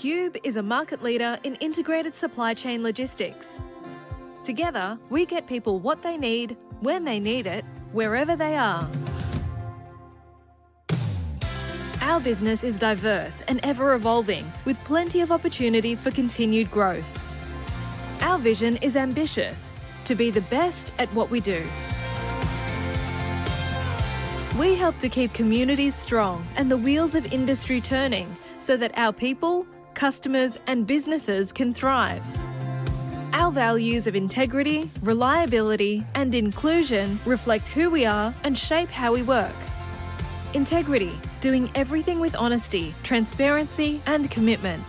Qube is a market leader in integrated supply chain logistics. Together, we get people what they need, when they need it, wherever they are. Our business is diverse and ever-evolving, with plenty of opportunity for continued growth. Our vision is ambitious: to be the best at what we do. We help to keep communities strong and the wheels of industry turning so that our people, customers, and businesses can thrive. Our values of integrity, reliability, and inclusion reflect who we are and shape how we work. Integrity: doing everything with honesty, transparency, and commitment.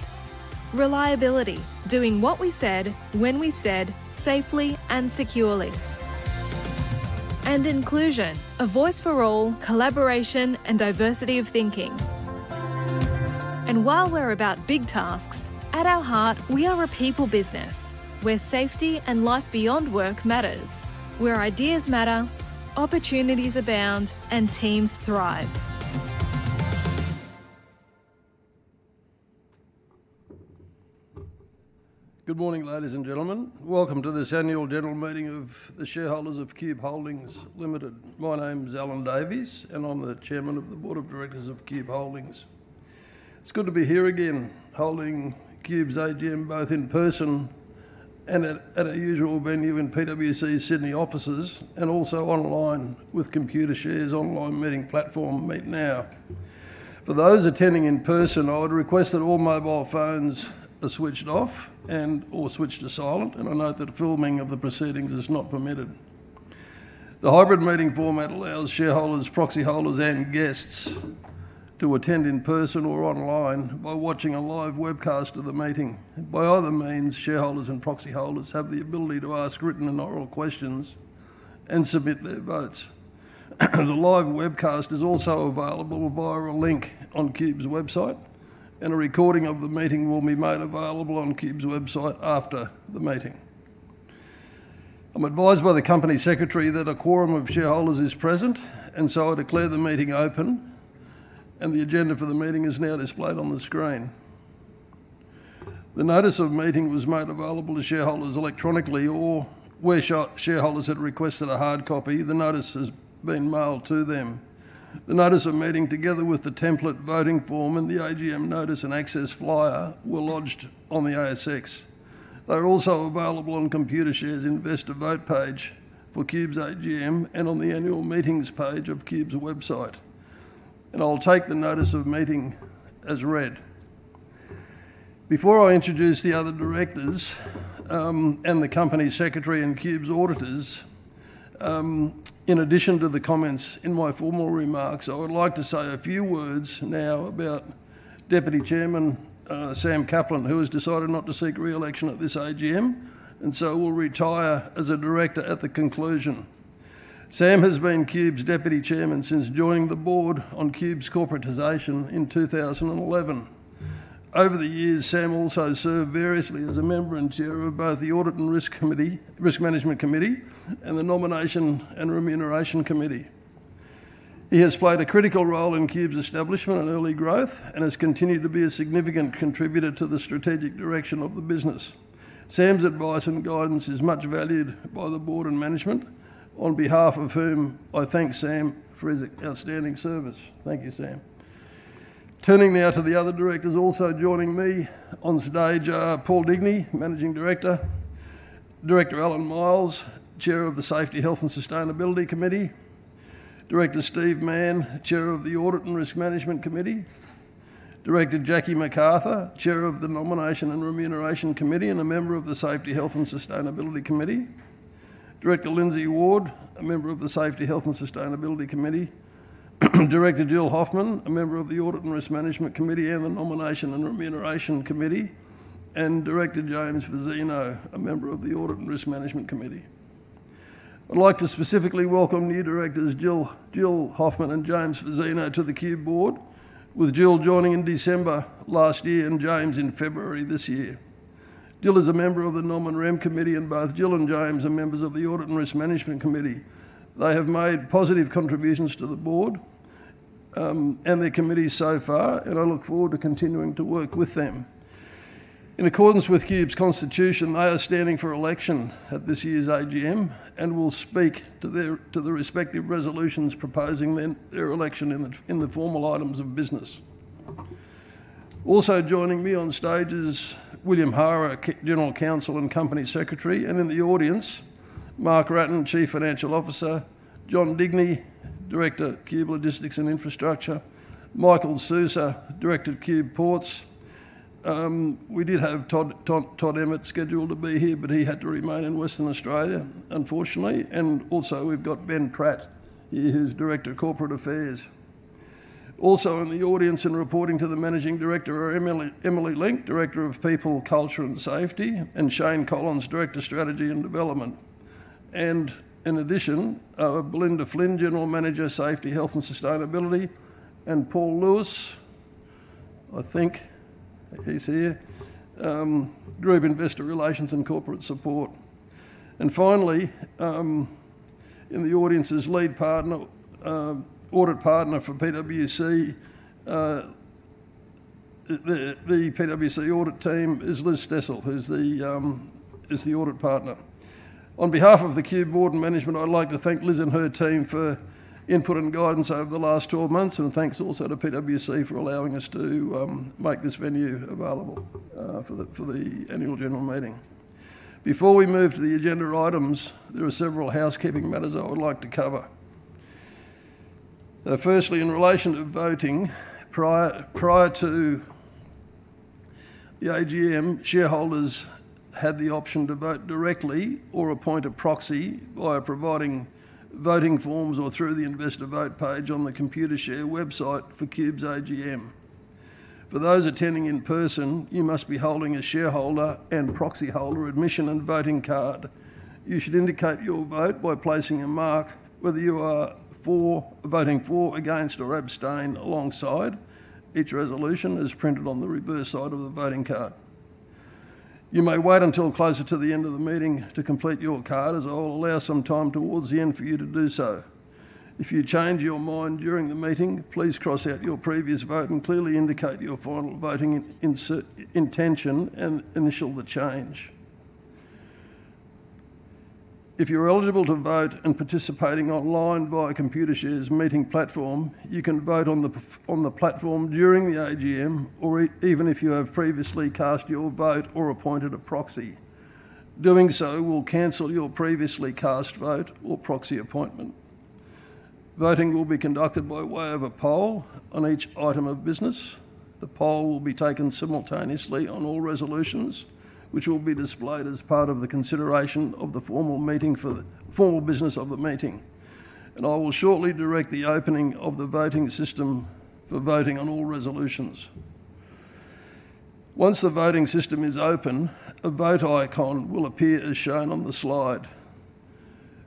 Reliability: doing what we said, when we said, safely and securely. And inclusion: a voice for all, collaboration, and diversity of thinking. And while we're about big tasks, at our heart, we are a people business, where safety and life beyond work matter, where ideas matter, opportunities abound, and teams thrive. Good morning, ladies and gentlemen. Welcome to this annual general meeting of the shareholders of Qube Holdings Limited. My name's Allan Davies, and I'm the Chairman of the board of directors of Qube Holdings. It's good to be here again, holding Qube's AGM both in person and at our usual venue in PwC's Sydney offices, and also online with Computershare's online meeting platform, MeetNow. For those attending in person, I would request that all mobile phones are switched off and/or switched to silent, and I note that filming of the proceedings is not permitted. The hybrid meeting format allows shareholders, proxy holders, and guests to attend in person or online by watching a live webcast of the meeting. By other means, shareholders and proxy holders have the ability to ask written and oral questions and submit their votes. The live webcast is also available via a link on Qube's website, and a recording of the meeting will be made available on Qube's website after the meeting. I'm advised by the company secretary that a quorum of shareholders is present, and so I declare the meeting open, and the agenda for the meeting is now displayed on the screen. The notice of meeting was made available to shareholders electronically, or where shareholders had requested a hard copy, the notice has been mailed to them. The notice of meeting, together with the template voting form and the AGM notice and access flyer, were lodged on the ASX. They're also available on Computershare's Investor Vote page for Qube's AGM and on the annual meetings page of Qube's website, and I'll take the notice of meeting as read. Before I introduce the other directors and the company secretary and Qube's auditors, in addition to the comments in my formal remarks, I would like to say a few words now about Deputy Chairman Sam Kaplan, who has decided not to seek re-election at this AGM, and so will retire as a director at the conclusion. Sam has been Qube's Deputy Chairman since joining the board on Qube's corporatization in 2011. Over the years, Sam also served variously as a member and chair of both the Audit and Risk Management Committee and the Nomination and Remuneration Committee. He has played a critical role in Qube's establishment and early growth, and has continued to be a significant contributor to the strategic direction of the business. Sam's advice and guidance is much valued by the board and management, on behalf of whom I thank Sam for his outstanding service. Thank you, Sam. Turning now to the other directors also joining me on stage are Paul Digney, Managing Director. Director Alan Miles, Chair of the Safety, Health, and Sustainability Committee. Director Steve Mann, Chair of the Audit and Risk Management Committee. Director Jackie McArthur, Chair of the Nomination and Remuneration Committee and a member of the Safety, Health, and Sustainability Committee. Director Lindsay Ward, a member of the Safety, Health, and Sustainability Committee. Director Jill Hoffmann, a member of the Audit and Risk Management Committee and the Nomination and Remuneration Committee. And Director James Fazzino, a member of the Audit and Risk Management Committee. I'd like to specifically welcome new directors Jill Hoffmann and James Fazzino to the Qube board, with Jill joining in December last year and James in February this year. Jill is a member of the Nom & Rem Committee, and both Jill and James are members of the Audit and Risk Management Committee. They have made positive contributions to the board and the committee so far, and I look forward to continuing to work with them. In accordance with Qube's constitution, they are standing for election at this year's AGM and will speak to the respective resolutions proposing their election in the formal items of business. Also joining me on stage is William Hara, General Counsel and Company Secretary, and in the audience, Mark Wratten, Chief Financial Officer, John Digney, Director Qube Logistics and Infrastructure, Michael Sousa, Director of Qube Ports. We did have Todd Emmert scheduled to be here, but he had to remain in Western Australia, unfortunately, and also we've got Ben Pratt here, who's Director of Corporate Affairs. Also in the audience and reporting to the Managing Director are Emily Link, Director of People, Culture, and Safety, and Shane Collins, Director of Strategy and Development. And in addition, Belinda Flynn, General Manager, Safety, Health, and Sustainability, and Paul Lewis, I think he's here, Group Investor Relations and Corporate Support. And finally, in the audience is Audit Partner for PwC, the PwC Audit Team, is Liz Stesel, who's the Audit Partner. On behalf of the Qube board and management, I'd like to thank Liz and her team for input and guidance over the last 12 months, and thanks also to PwC for allowing us to make this venue available for the annual general meeting. Before we move to the agenda items, there are several housekeeping matters I would like to cover. Firstly, in relation to voting, prior to the AGM, shareholders had the option to vote directly or appoint a proxy by providing voting forms or through the Investor Vote page on the Computershare website for Qube's AGM. For those attending in person, you must be holding a shareholder and proxy holder admission and voting card. You should indicate your vote by placing a mark, whether you are voting for, against, or abstain alongside. Each resolution is printed on the reverse side of the voting card. You may wait until closer to the end of the meeting to complete your card, as I'll allow some time towards the end for you to do so. If you change your mind during the meeting, please cross out your previous vote and clearly indicate your final voting intention and initial the change. If you're eligible to vote in participating online via Computershare's meeting platform, you can vote on the platform during the AGM, or even if you have previously cast your vote or appointed a proxy. Doing so will cancel your previously cast vote or proxy appointment. Voting will be conducted by way of a poll on each item of business. The poll will be taken simultaneously on all resolutions, which will be displayed as part of the consideration of the formal business of the meeting, and I will shortly direct the opening of the voting system for voting on all resolutions. Once the voting system is open, a vote icon will appear as shown on the slide.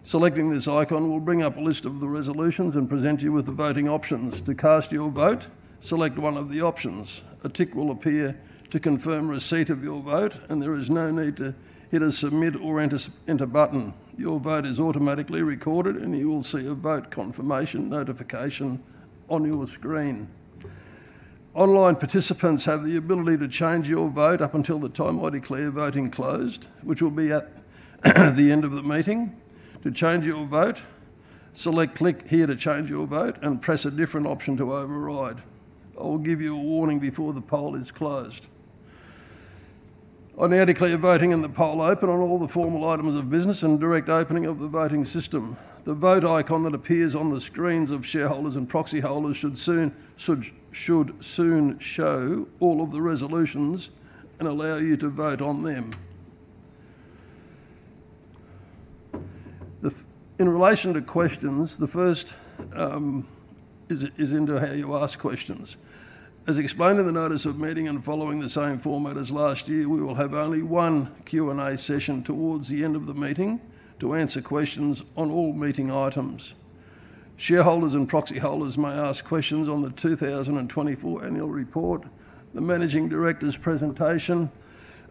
Selecting this icon will bring up a list of the resolutions and present you with the voting options. To cast your vote, select one of the options. A tick will appear to confirm receipt of your vote, and there is no need to hit a submit or enter button. Your vote is automatically recorded, and you will see a vote confirmation notification on your screen. Online participants have the ability to change your vote up until the time I declare voting closed, which will be at the end of the meeting. To change your vote, select "Click here to change your vote" and press a different option to override. I will give you a warning before the poll is closed. I now declare voting and the poll open on all the formal items of business and direct opening of the voting system. The vote icon that appears on the screens of shareholders and proxy holders should soon show all of the resolutions and allow you to vote on them. In relation to questions, the first is into how you ask questions. As explained in the notice of meeting and following the same format as last year, we will have only one Q&A session towards the end of the meeting to answer questions on all meeting items. Shareholders and proxy holders may ask questions on the 2024 annual report, the Managing Director's presentation,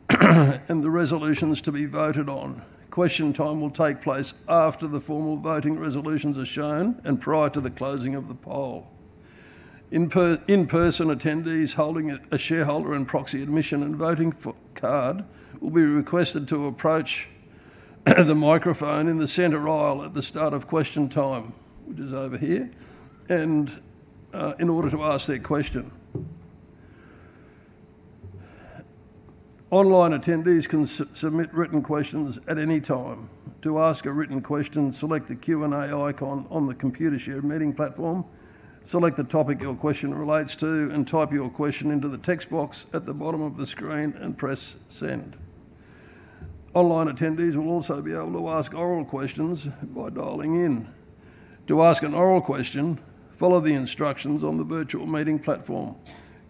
and the resolutions to be voted on. Question time will take place after the formal voting resolutions are shown and prior to the closing of the poll. In-person attendees holding a shareholder and proxy admission and voting card will be requested to approach the microphone in the center aisle at the start of question time, which is over here, in order to ask their question. Online attendees can submit written questions at any time. To ask a written question, select the Q&A icon on the Computershare meeting platform, select the topic your question relates to, and type your question into the text box at the bottom of the screen and press send. Online attendees will also be able to ask oral questions by dialing in. To ask an oral question, follow the instructions on the virtual meeting platform.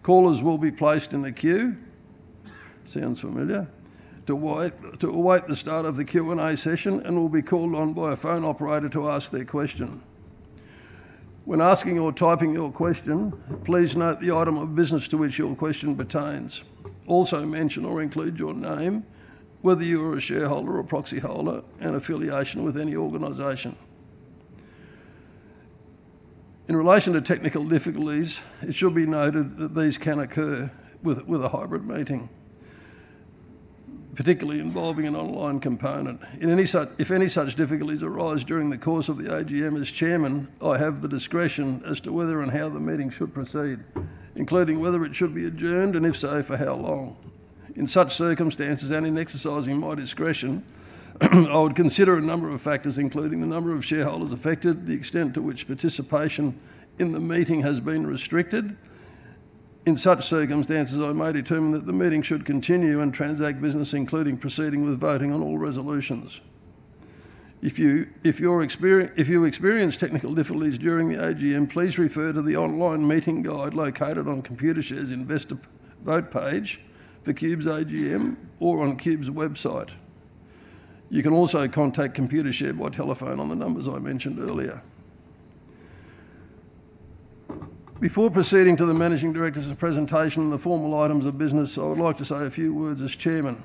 Callers will be placed in a queue. Sounds familiar? To await the start of the Q&A session, and will be called on by a phone operator to ask their question. When asking or typing your question, please note the item of business to which your question pertains. Also mention or include your name, whether you are a shareholder or proxy holder, and affiliation with any organization. In relation to technical difficulties, it should be noted that these can occur with a hybrid meeting, particularly involving an online component. If any such difficulties arise during the course of the AGM, as chairman, I have the discretion as to whether and how the meeting should proceed, including whether it should be adjourned and, if so, for how long. In such circumstances, and in exercising my discretion, I would consider a number of factors, including the number of shareholders affected, the extent to which participation in the meeting has been restricted. In such circumstances, I may determine that the meeting should continue and transact business, including proceeding with voting on all resolutions. If you experience technical difficulties during the AGM, please refer to the online meeting guide located on Computershare's Investor Vote page for Qube's AGM or on Qube's website. You can also contact Computershare by telephone on the numbers I mentioned earlier. Before proceeding to the Managing Director's presentation and the formal items of business, I would like to say a few words as chairman.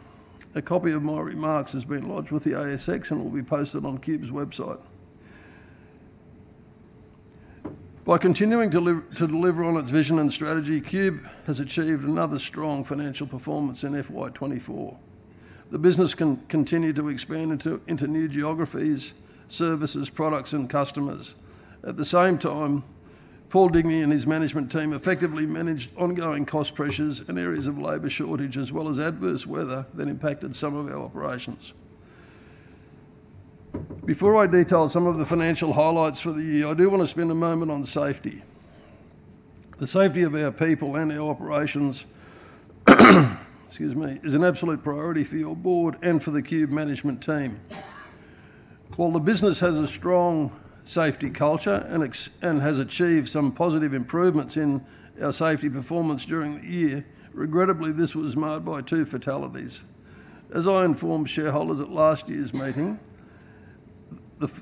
A copy of my remarks has been lodged with the ASX and will be posted on Qube's website. By continuing to deliver on its vision and strategy, Qube has achieved another strong financial performance in FY 2024. The business can continue to expand into new geographies, services, products, and customers. At the same time, Paul Digney and his management team effectively managed ongoing cost pressures and areas of labor shortage, as well as adverse weather that impacted some of our operations. Before I detail some of the financial highlights for the year, I do want to spend a moment on safety. The safety of our people and our operations is an absolute priority for your board and for the Qube management team. While the business has a strong safety culture and has achieved some positive improvements in our safety performance during the year, regrettably, this was marred by two fatalities. As I informed shareholders at last year's meeting,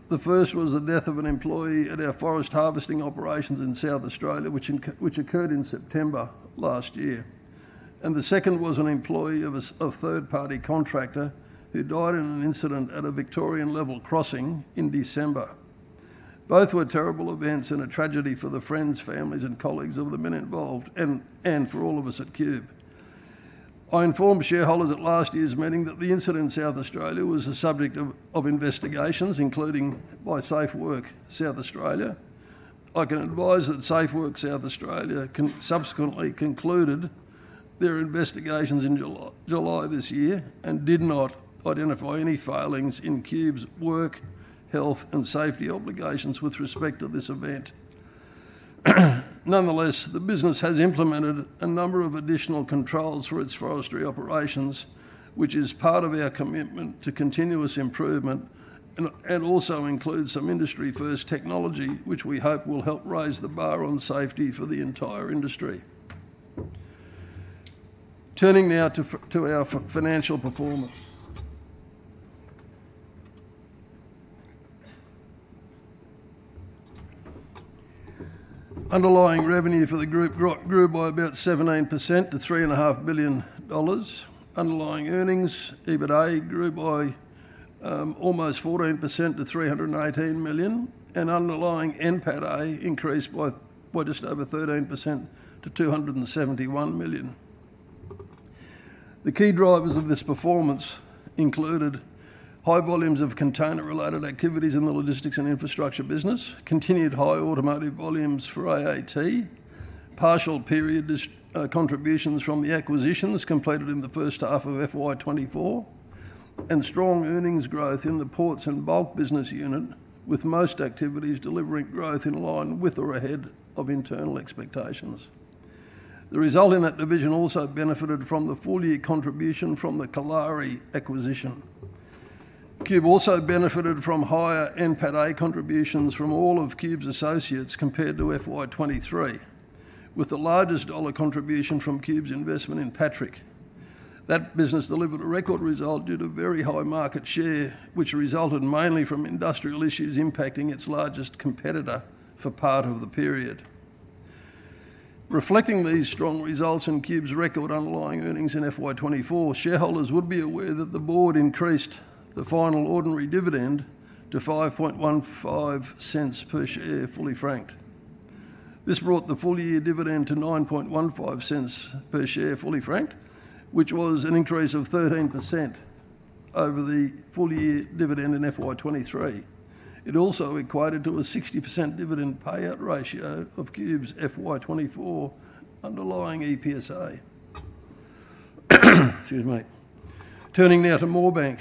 the first was the death of an employee at our forest harvesting operations in South Australia, which occurred in September last year, and the second was an employee of a third-party contractor who died in an incident at a Victorian level crossing in December. Both were terrible events and a tragedy for the friends, families, and colleagues of the men involved and for all of us at Qube. I informed shareholders at last year's meeting that the incident in South Australia was the subject of investigations, including by SafeWork South Australia. I can advise that SafeWork South Australia subsequently concluded their investigations in July this year and did not identify any failings in Qube's work, health, and safety obligations with respect to this event. Nonetheless, the business has implemented a number of additional controls for its forestry operations, which is part of our commitment to continuous improvement and also includes some industry-first technology, which we hope will help raise the bar on safety for the entire industry. Turning now to our financial performance. Underlying revenue for the group grew by about 17% to 3.5 billion dollars. Underlying earnings, EBITA, grew by almost 14% to 318 million, and underlying NPATA increased by just over 13% to 271 million. The key drivers of this performance included high volumes of container-related activities in the logistics and infrastructure business, continued high automotive volumes for AAT, partial period contributions from the acquisitions completed in the first half of FY 2024, and strong earnings growth in the ports and bulk business unit, with most activities delivering growth in line with or ahead of internal expectations. The result in that division also benefited from the full year contribution from the Kalari acquisition. Qube also benefited from higher NPATA contributions from all of Qube's associates compared to FY23, with the largest dollar contribution from Qube's investment in Patrick. That business delivered a record result due to very high market share, which resulted mainly from industrial issues impacting its largest competitor for part of the period. Reflecting these strong results in Qube's record underlying earnings in FY 2024, shareholders would be aware that the board increased the final ordinary dividend to 0.0515 per share fully franked. This brought the full year dividend to 0.0915 per share fully franked, which was an increase of 13% over the full year dividend in FY 2023. It also equated to a 60% dividend payout ratio of Qube's FY 2024 underlying EPSA. Turning now to Moorebank.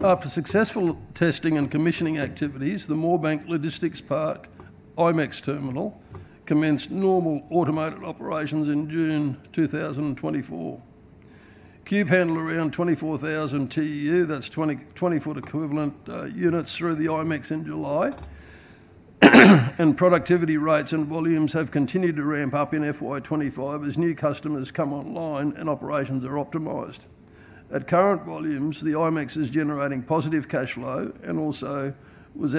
After successful testing and commissioning activities, the Moorebank Logistics Park IMEX terminal commenced normal automotive operations in June 2024. Qube handled around 24,000 TEU, that's 20-foot equivalent units, through the IMEX in July, and productivity rates and volumes have continued to ramp up in FY 2025 as new customers come online and operations are optimized. At current volumes, the IMEX is generating positive cash flow and also was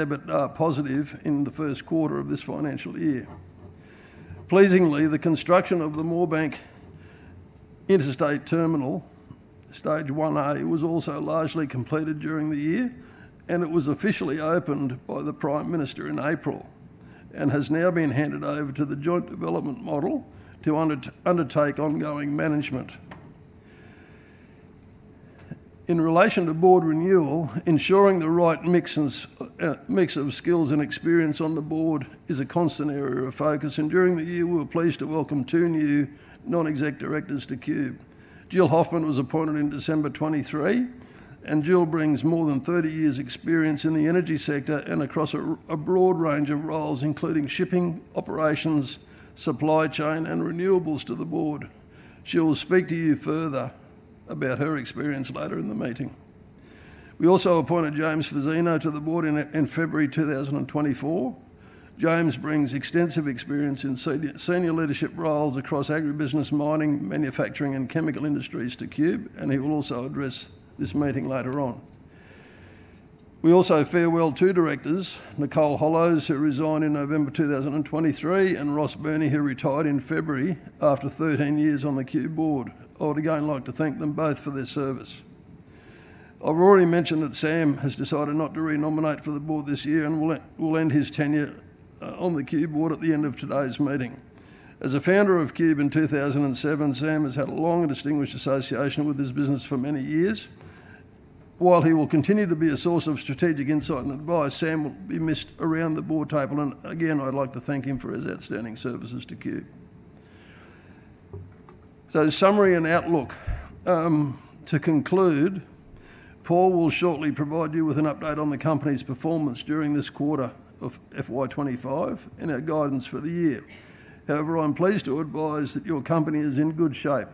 positive in the first quarter of this financial year. Pleasingly, the construction of the Moorebank Interstate Terminal, Stage 1A, was also largely completed during the year, and it was officially opened by the Prime Minister in April and has now been handed over to the Joint Development Model to undertake ongoing management. In relation to board renewal, ensuring the right mix of skills and experience on the board is a constant area of focus, and during the year, we were pleased to welcome two new non-exec directors to Qube. Jill Hoffmann was appointed in December 2023, and Jill brings more than 30 years' experience in the energy sector and across a broad range of roles, including shipping, operations, supply chain, and renewables to the board. She will speak to you further about her experience later in the meeting. We also appointed James Fazzino to the board in February 2024. James brings extensive experience in senior leadership roles across agribusiness, mining, manufacturing, and chemical industries to Qube, and he will also address this meeting later on. We also farewelled two directors, Nicole Hollows, who resigned in November 2023, and Ross Burney, who retired in February after 13 years on the Qube board. I would again like to thank them both for their service. I've already mentioned that Sam has decided not to re-nominate for the board this year and will end his tenure on the Qube board at the end of today's meeting. As a founder of Qube in 2007, Sam has had a long and distinguished association with his business for many years. While he will continue to be a source of strategic insight and advice, Sam will be missed around the board table, and again, I'd like to thank him for his outstanding services to Qube. So, summary and outlook. To conclude, Paul will shortly provide you with an update on the company's performance during this quarter of FY 2025 and our guidance for the year. However, I'm pleased to advise that your company is in good shape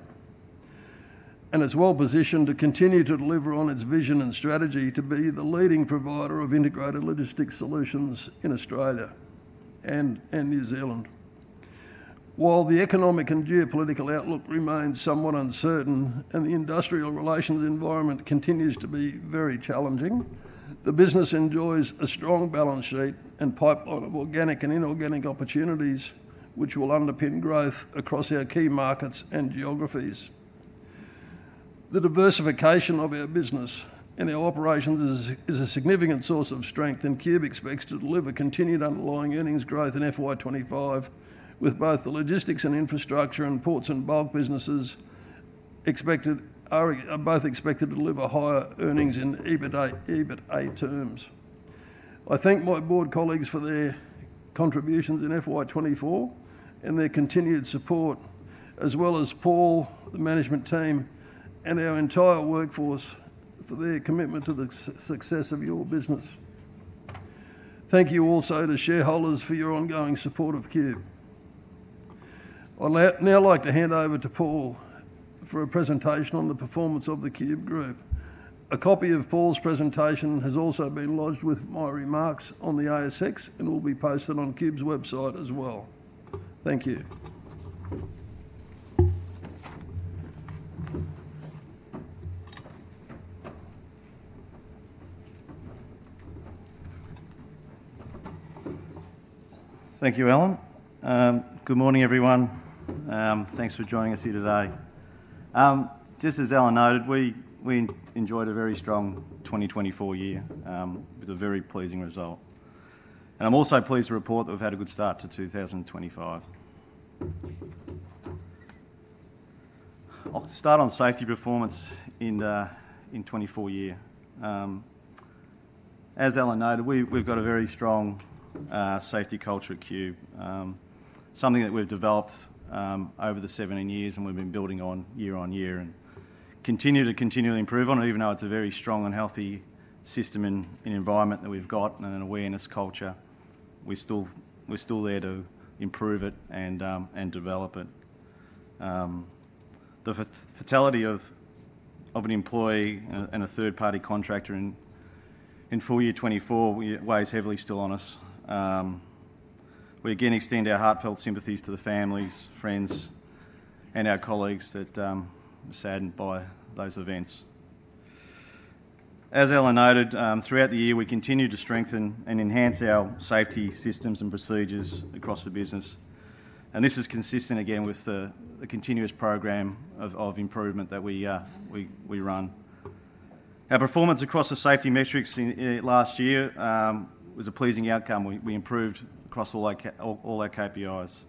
and is well positioned to continue to deliver on its vision and strategy to be the leading provider of integrated logistics solutions in Australia and New Zealand. While the economic and geopolitical outlook remains somewhat uncertain and the industrial relations environment continues to be very challenging, the business enjoys a strong balance sheet and pipeline of organic and inorganic opportunities, which will underpin growth across our key markets and geographies. The diversification of our business and our operations is a significant source of strength, and Qube expects to deliver continued underlying earnings growth in FY 2025, with both the logistics and infrastructure and ports and bulk businesses both expected to deliver higher earnings in EBITA terms. I thank my board colleagues for their contributions in FY 2024 and their continued support, as well as Paul, the management team, and our entire workforce for their commitment to the success of your business. Thank you also to shareholders for your ongoing support of Qube. I'd now like to hand over to Paul for a presentation on the performance of the Qube group. A copy of Paul's presentation has also been lodged with my remarks on the ASX and will be posted on Qube's website as well. Thank you. Thank you, Allan. Good morning, everyone. Thanks for joining us here today. Just as Allan noted, we enjoyed a very strong 2024 year with a very pleasing result, and I'm also pleased to report that we've had a good start to 2025. I'll start on safety performance in 2024. As Allan noted, we've got a very strong safety culture at Qube, something that we've developed over the 17 years and we've been building on year on year and continue to continually improve on it, even though it's a very strong and healthy system and environment that we've got and an awareness culture. We're still there to improve it and develop it. The fatality of an employee and a third-party contractor in full year 2024 weighs heavily still on us. We again extend our heartfelt sympathies to the families, friends, and our colleagues that were saddened by those events. As Allan noted, throughout the year, we continue to strengthen and enhance our safety systems and procedures across the business, and this is consistent, again, with the continuous program of improvement that we run. Our performance across the safety metrics last year was a pleasing outcome. We improved across all our KPIs.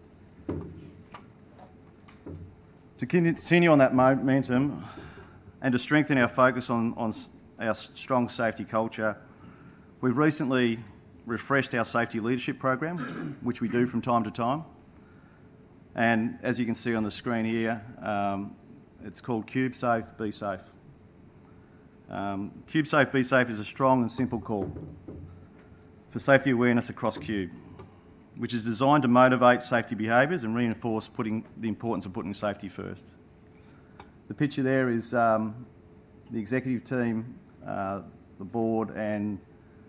To continue on that momentum and to strengthen our focus on our strong safety culture, we've recently refreshed our safety leadership program, which we do from time to time, and as you can see on the screen here, it's called Qube Safe, Be Safe. Qube Safe, Be Safe is a strong and simple call for safety awareness across Qube, which is designed to motivate safety behaviors and reinforce the importance of putting safety first. The picture there is the executive team, the board, and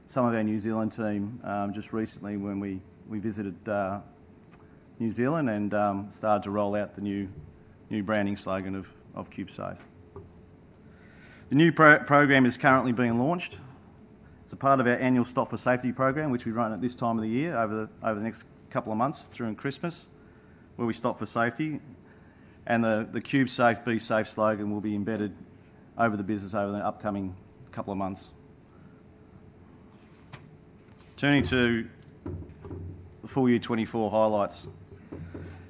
some of our New Zealand team just recently when we visited New Zealand and started to roll out the new branding slogan of Qube Safe, Be Safe. The new program is currently being launched. It's a part of our annual Stop for Safety program, which we run at this time of the year over the next couple of months through Christmas, where we stop for safety, and the Qube Safe, Be Safe slogan will be embedded over the business over the upcoming couple of months. Turning to the full year 24 highlights,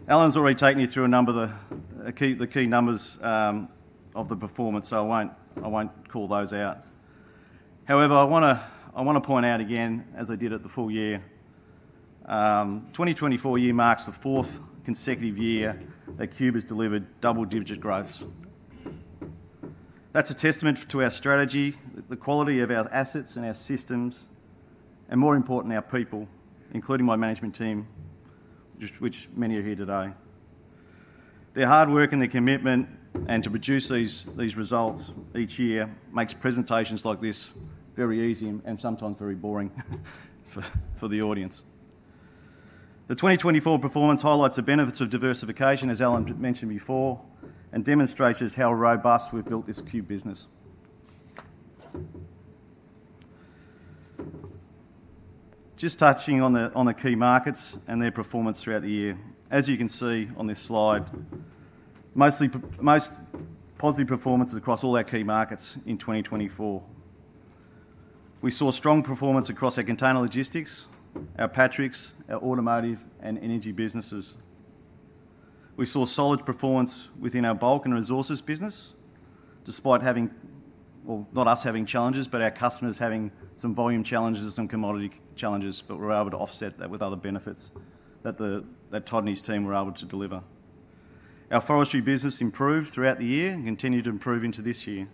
Allan's already taken you through a number of the key numbers of the performance, so I won't call those out. However, I want to point out again, as I did at the full year, 2024 year marks the fourth consecutive year that Qube has delivered double-digit growth. That's a testament to our strategy, the quality of our assets and our systems, and more important, our people, including my management team, which many are here today. Their hard work and their commitment to produce these results each year makes presentations like this very easy and sometimes very boring for the audience. The 2024 performance highlights the benefits of diversification, as Allan mentioned before, and demonstrates how robust we've built this Qube business. Just touching on the key markets and their performance throughout the year, as you can see on this slide, most positive performance across all our key markets in 2024. We saw strong performance across our container logistics, our Patrick's, our automotive, and energy businesses. We saw solid performance within our bulk and resources business, despite having, well, not us having challenges, but our customers having some volume challenges and commodity challenges, but we were able to offset that with other benefits that Todd and his team were able to deliver. Our forestry business improved throughout the year and continued to improve into this year.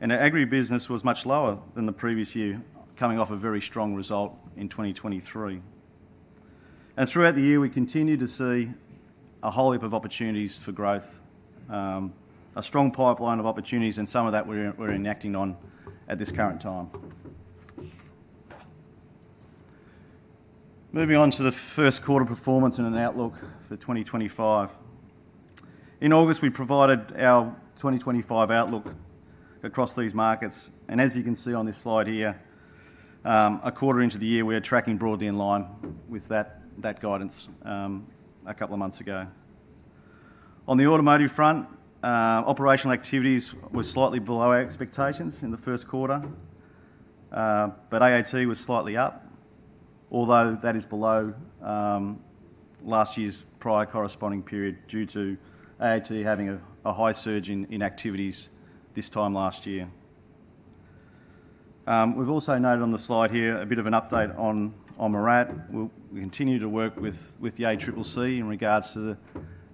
And our agribusiness was much lower than the previous year, coming off a very strong result in 2023. And throughout the year, we continue to see a whole heap of opportunities for growth, a strong pipeline of opportunities, and some of that we're enacting on at this current time. Moving on to the first quarter performance and an outlook for 2025. In August, we provided our 2025 outlook across these markets. And as you can see on this slide here, a quarter into the year, we were tracking broadly in line with that guidance a couple of months ago. On the automotive front, operational activities were slightly below our expectations in the first quarter, but AAT was slightly up, although that is below last year's prior corresponding period due to AAT having a high surge in activities this time last year. We've also noted on the slide here a bit of an update on MIRRAT. We continue to work with the ACCC in regards to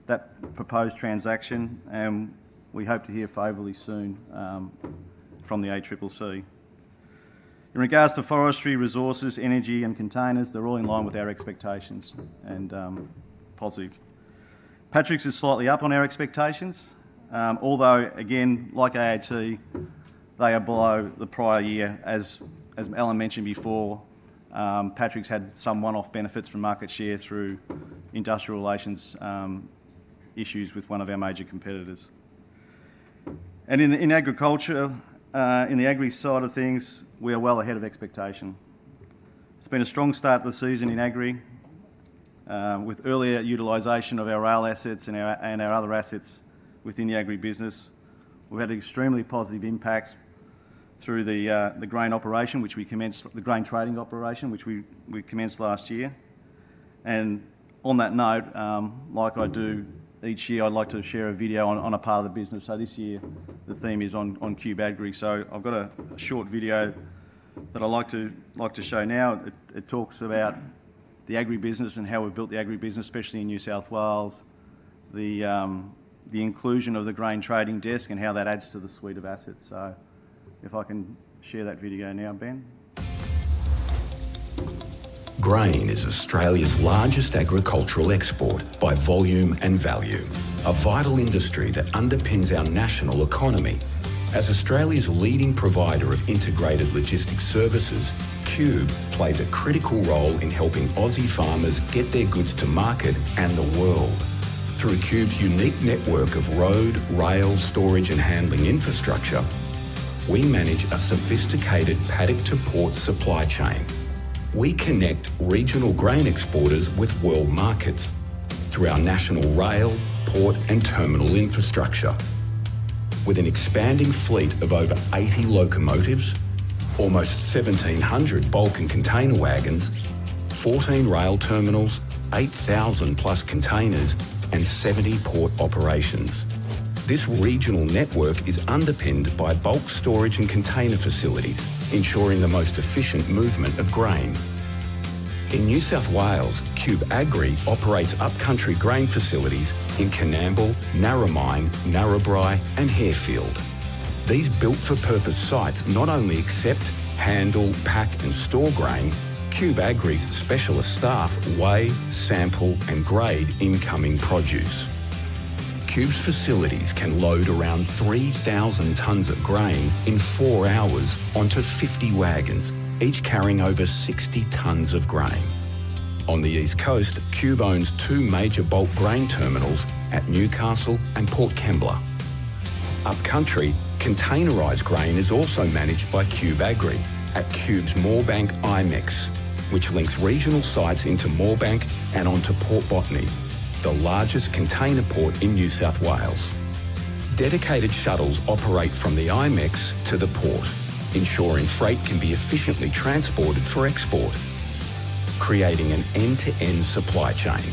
that proposed transaction, and we hope to hear favorably soon from the ACCC. In regards to forestry, resources, energy, and containers, they're all in line with our expectations and positive. Patrick's is slightly up on our expectations, although, again, like AAT, they are below the prior year. As Allan mentioned before, Patrick's had some one-off benefits from market share through industrial relations issues with one of our major competitors. And in agriculture, in the agri side of things, we are well ahead of expectation. It's been a strong start to the season in agri with earlier utilization of our rail assets and our other assets within the agri business. We've had an extremely positive impact through the grain operation, the grain trading operation, which we commenced last year. And on that note, like I do each year, I'd like to share a video on a part of the business. So this year, the theme is on Qube Agri. So I've got a short video that I'd like to show now. It talks about the agri business and how we've built the agri business, especially in New South Wales, the inclusion of the grain trading desk and how that adds to the suite of assets. So if I can share that video now, Ben. Grain is Australia's largest agricultural export by volume and value, a vital industry that underpins our national economy. As Australia's leading provider of integrated logistics services, Qube plays a critical role in helping Aussie farmers get their goods to market and the world. Through Qube's unique network of road, rail, storage, and handling infrastructure, we manage a sophisticated paddock-to-port supply chain. We connect regional grain exporters with world markets through our national rail, port, and terminal infrastructure. With an expanding fleet of over 80 locomotives, almost 1,700 bulk and container wagons, 14 rail terminals, 8,000-plus containers, and 70 port operations. This regional network is underpinned by bulk storage and container facilities, ensuring the most efficient movement of grain. In New South Wales, Qube Agri operates upcountry grain facilities in Coonamble, Narromine, Narrabri, and Harefield. These built-for-purpose sites not only accept, handle, pack, and store grain. Qube Agri's specialist staff weigh, sample, and grade incoming produce. Qube's facilities can load around 3,000 tons of grain in four hours onto 50 wagons, each carrying over 60 tons of grain. On the East Coast, Qube owns two major bulk grain terminals at Newcastle and Port Kembla. Upcountry, containerized grain is also managed by Qube Agri at Qube's Moorebank IMEX, which links regional sites into Moorebank and onto Port Botany, the largest container port in New South Wales. Dedicated shuttles operate from the IMEX to the port, ensuring freight can be efficiently transported for export, creating an end-to-end supply chain.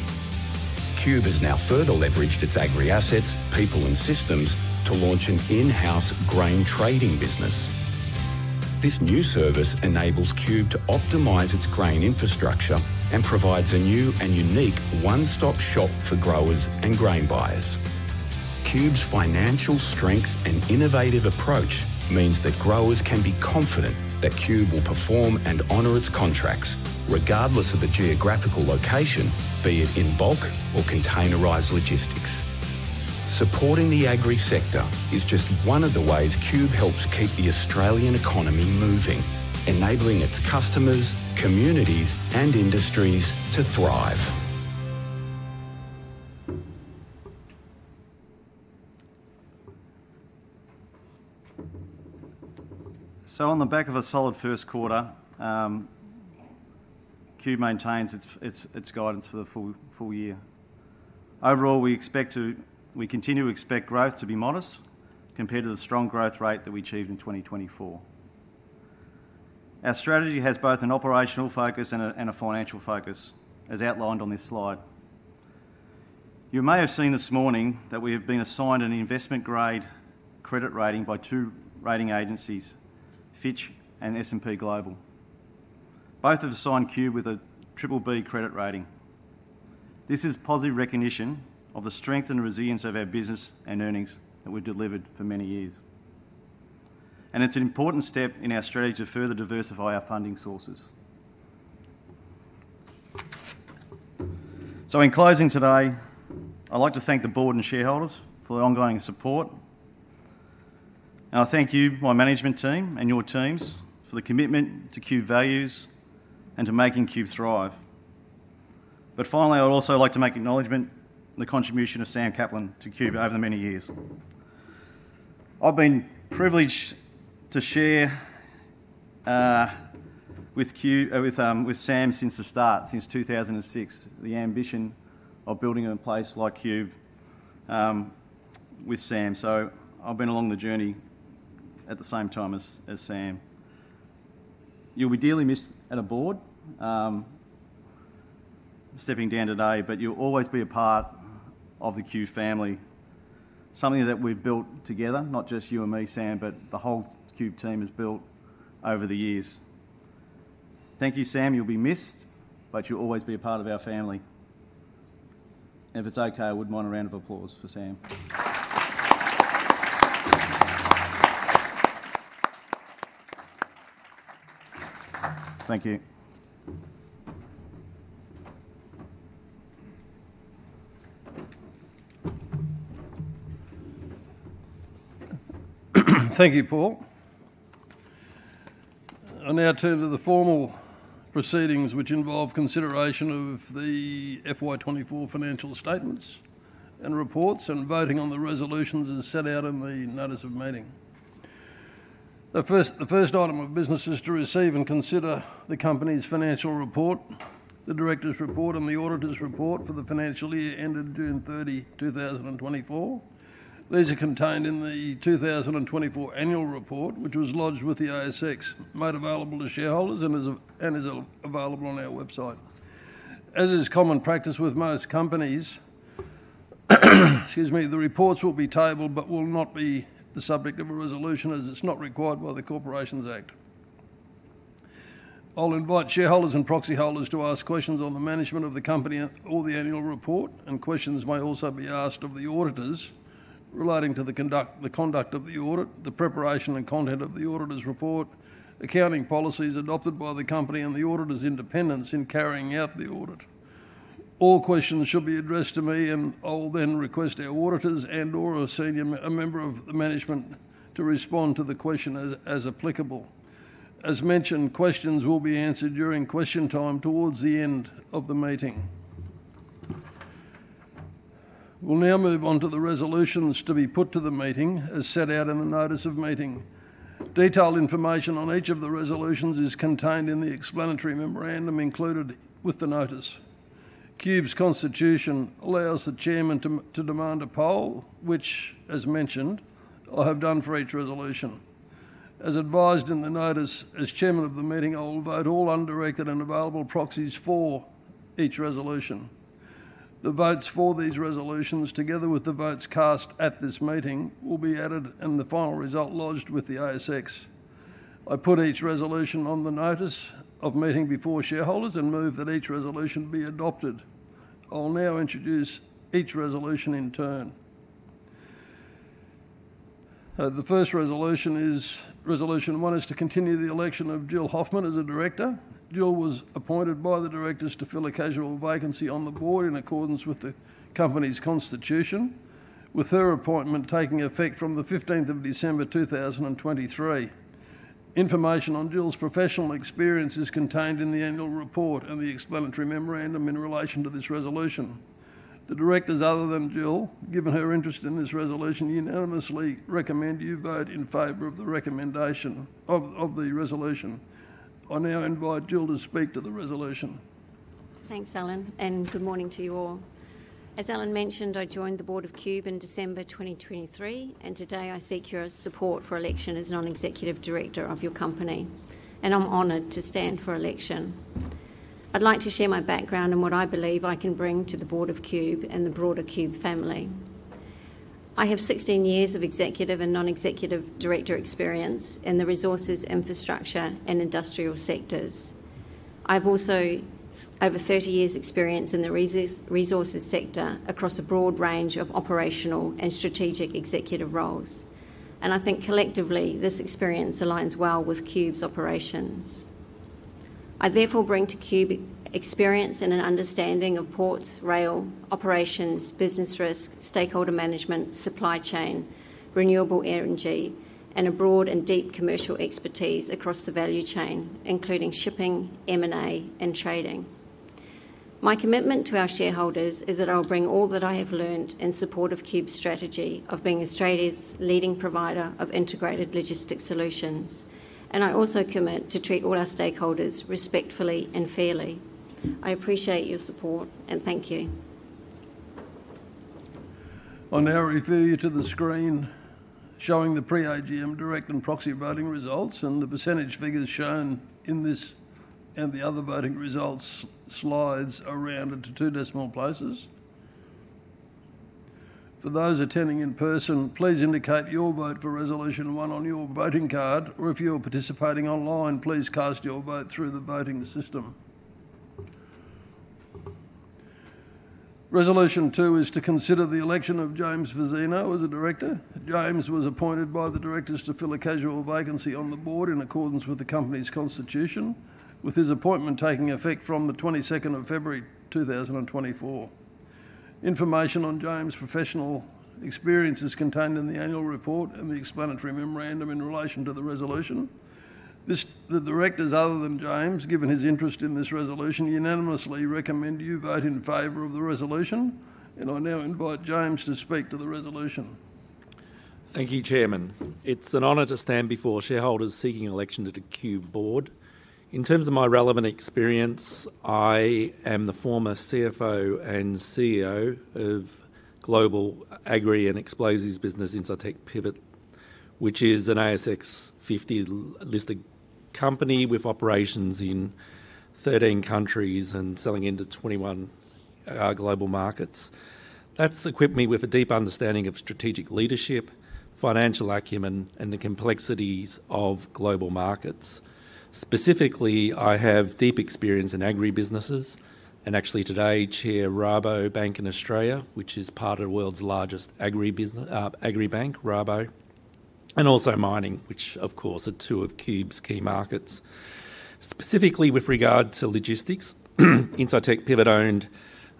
Qube has now further leveraged its agri assets, people, and systems to launch an in-house grain trading business. This new service enables Qube to optimize its grain infrastructure and provides a new and unique one-stop shop for growers and grain buyers. Qube's financial strength and innovative approach means that growers can be confident that Qube will perform and honor its contracts, regardless of the geographical location, be it in bulk or containerized logistics. Supporting the agri sector is just one of the ways Qube helps keep the Australian economy moving, enabling its customers, communities, and industries to thrive. So, on the back of a solid first quarter, Qube maintains its guidance for the full year. Overall, we continue to expect growth to be modest compared to the strong growth rate that we achieved in 2024. Our strategy has both an operational focus and a financial focus, as outlined on this slide. You may have seen this morning that we have been assigned an investment-grade credit rating by two rating agencies, Fitch and S&P Global. Both have assigned Qube with a BBB Credit Rating. This is positive recognition of the strength and resilience of our business and earnings that we've delivered for many years, and it's an important step in our strategy to further diversify our funding sources, so in closing today, I'd like to thank the board and shareholders for their ongoing support, and I thank you, my management team, and your teams for the commitment to Qube values and to making Qube thrive, but finally, I'd also like to make acknowledgment of the contribution of Sam Kaplan to Qube over the many years. I've been privileged to share with Sam since the start, since 2006, the ambition of building a place like Qube with Sam. So, I've been along the journey at the same time as Sam. You'll be dearly missed at a board stepping down today, but you'll always be a part of the Qube family, something that we've built together, not just you and me, Sam, but the whole Qube team has built over the years. Thank you, Sam. You'll be missed, but you'll always be a part of our family. And if it's okay, I wouldn't mind a round of applause for Sam. Thank you. Thank you, Paul. I'll now turn to the formal proceedings, which involve consideration of the FY 2024 financial statements and reports and voting on the resolutions as set out in the notice of meeting. The first item of business is to receive and consider the company's financial report, the directors' report, and the auditor's report for the financial year ended June 30, 2024. These are contained in the 2024 annual report, which was lodged with the ASX, made available to shareholders, and is available on our website. As is common practice with most companies, the reports will be tabled but will not be the subject of a resolution as it's not required by the Corporations Act. I'll invite shareholders and proxy holders to ask questions on the management of the company or the annual report, and questions may also be asked of the auditors relating to the conduct of the audit, the preparation and content of the auditor's report, accounting policies adopted by the company, and the auditor's independence in carrying out the audit. All questions should be addressed to me, and I'll then request our auditors and/or a senior member of the management to respond to the question as applicable. As mentioned, questions will be answered during question time towards the end of the meeting. We'll now move on to the resolutions to be put to the meeting, as set out in the notice of meeting. Detailed information on each of the resolutions is contained in the explanatory memorandum included with the notice. Qube's constitution allows the chairman to demand a poll, which, as mentioned, I have done for each resolution. As advised in the notice, as chairman of the meeting, I'll vote all undirected and available proxies for each resolution. The votes for these resolutions, together with the votes cast at this meeting, will be added in the final result lodged with the ASX. I put each resolution on the notice of meeting before shareholders and move that each resolution be adopted. I'll now introduce each resolution in turn. The first resolution is Resolution 1, which is to continue the election of Jill Hoffmann as a director. Jill was appointed by the directors to fill a casual vacancy on the board in accordance with the company's constitution, with her appointment taking effect from the 15th of December 2023. Information on Jill's professional experience is contained in the annual report and the explanatory memorandum in relation to this resolution. The directors, other than Jill, given her interest in this resolution, unanimously recommend you vote in favor of the recommendation of the resolution. I now invite Jill to speak to the resolution. Thanks, Allan, and good morning to you all. As Allan mentioned, I joined the board of Qube in December 2023, and today I seek your support for election as non-executive director of your company, and I'm honored to stand for election. I'd like to share my background and what I believe I can bring to the board of Qube and the broader Qube family. I have 16 years of executive and non-executive director experience in the resources, infrastructure, and industrial sectors. I have also over 30 years' experience in the resources sector across a broad range of operational and strategic executive roles, and I think collectively this experience aligns well with Qube's operations. I therefore bring to Qube experience and an understanding of ports, rail, operations, business risk, stakeholder management, supply chain, renewable energy, and a broad and deep commercial expertise across the value chain, including shipping, M&A, and trading. My commitment to our shareholders is that I will bring all that I have learned in support of Qube's strategy of being Australia's leading provider of integrated logistics solutions, and I also commit to treat all our stakeholders respectfully and fairly. I appreciate your support, and thank you. I'll now refer you to the screen showing the pre-AGM direct and proxy voting results, and the percentage figures shown in this and the other voting results slides are rounded to two decimal places. For those attending in person, please indicate your vote for Resolution 1 on your voting card, or if you are participating online, please cast your vote through the voting system. Resolution 2 is to consider the election of James Fazzino as a director. James was appointed by the directors to fill a casual vacancy on the board in accordance with the company's constitution, with his appointment taking effect from the 22nd of February, 2024. Information on James' professional experience is contained in the annual report and the explanatory memorandum in relation to the resolution. The directors, other than James, given his interest in this resolution, unanimously recommend you vote in favor of the resolution, and I now invite James to speak to the resolution. Thank you, Chairman. It's an honor to stand before shareholders seeking election to the Qube board. In terms of my relevant experience, I am the former CFO and CEO of Global Agri and Explosives Business Incitec Pivot, which is an ASX 50-listed company with operations in 13 countries and selling into 21 global markets. That's equipped me with a deep understanding of strategic leadership, financial acumen, and the complexities of global markets. Specifically, I have deep experience in agri businesses and actually today chair Rabobank in Australia, which is part of the world's largest agri bank, Rabobank, and also mining, which of course are two of Qube's key markets. Specifically with regard to logistics, Incitec Pivot owned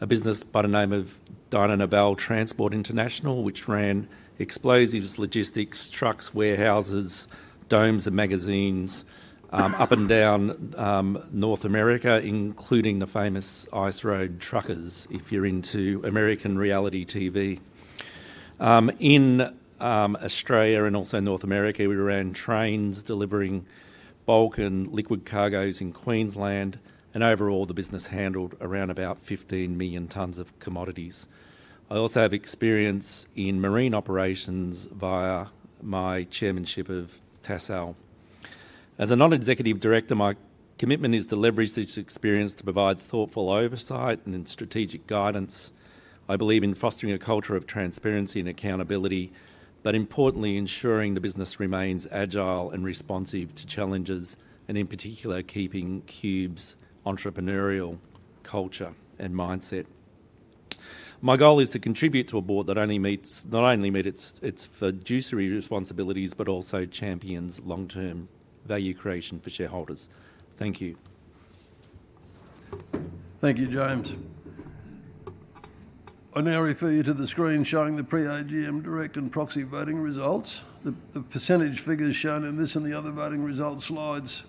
a business by the name of Dyno Nobel, which ran explosives logistics, trucks, warehouses, dumps, and magazines up and down North America, including the famous Ice Road Truckers, if you're into American reality TV. In Australia and also North America, we ran trains delivering bulk and liquid cargoes in Queensland, and overall the business handled around about 15 million tons of commodities. I also have experience in marine operations via my chairmanship of Tassal. As a non-executive director, my commitment is to leverage this experience to provide thoughtful oversight and strategic guidance. I believe in fostering a culture of transparency and accountability, but importantly ensuring the business remains agile and responsive to challenges, and in particular keeping Qube's entrepreneurial culture and mindset. My goal is to contribute to a board that not only meets its fiduciary responsibilities, but also champions long-term value creation for shareholders. Thank you. Thank you, James. I now refer you to the screen showing the pre-AGM direct and proxy voting results. The percentage figures shown in this and the other voting results slides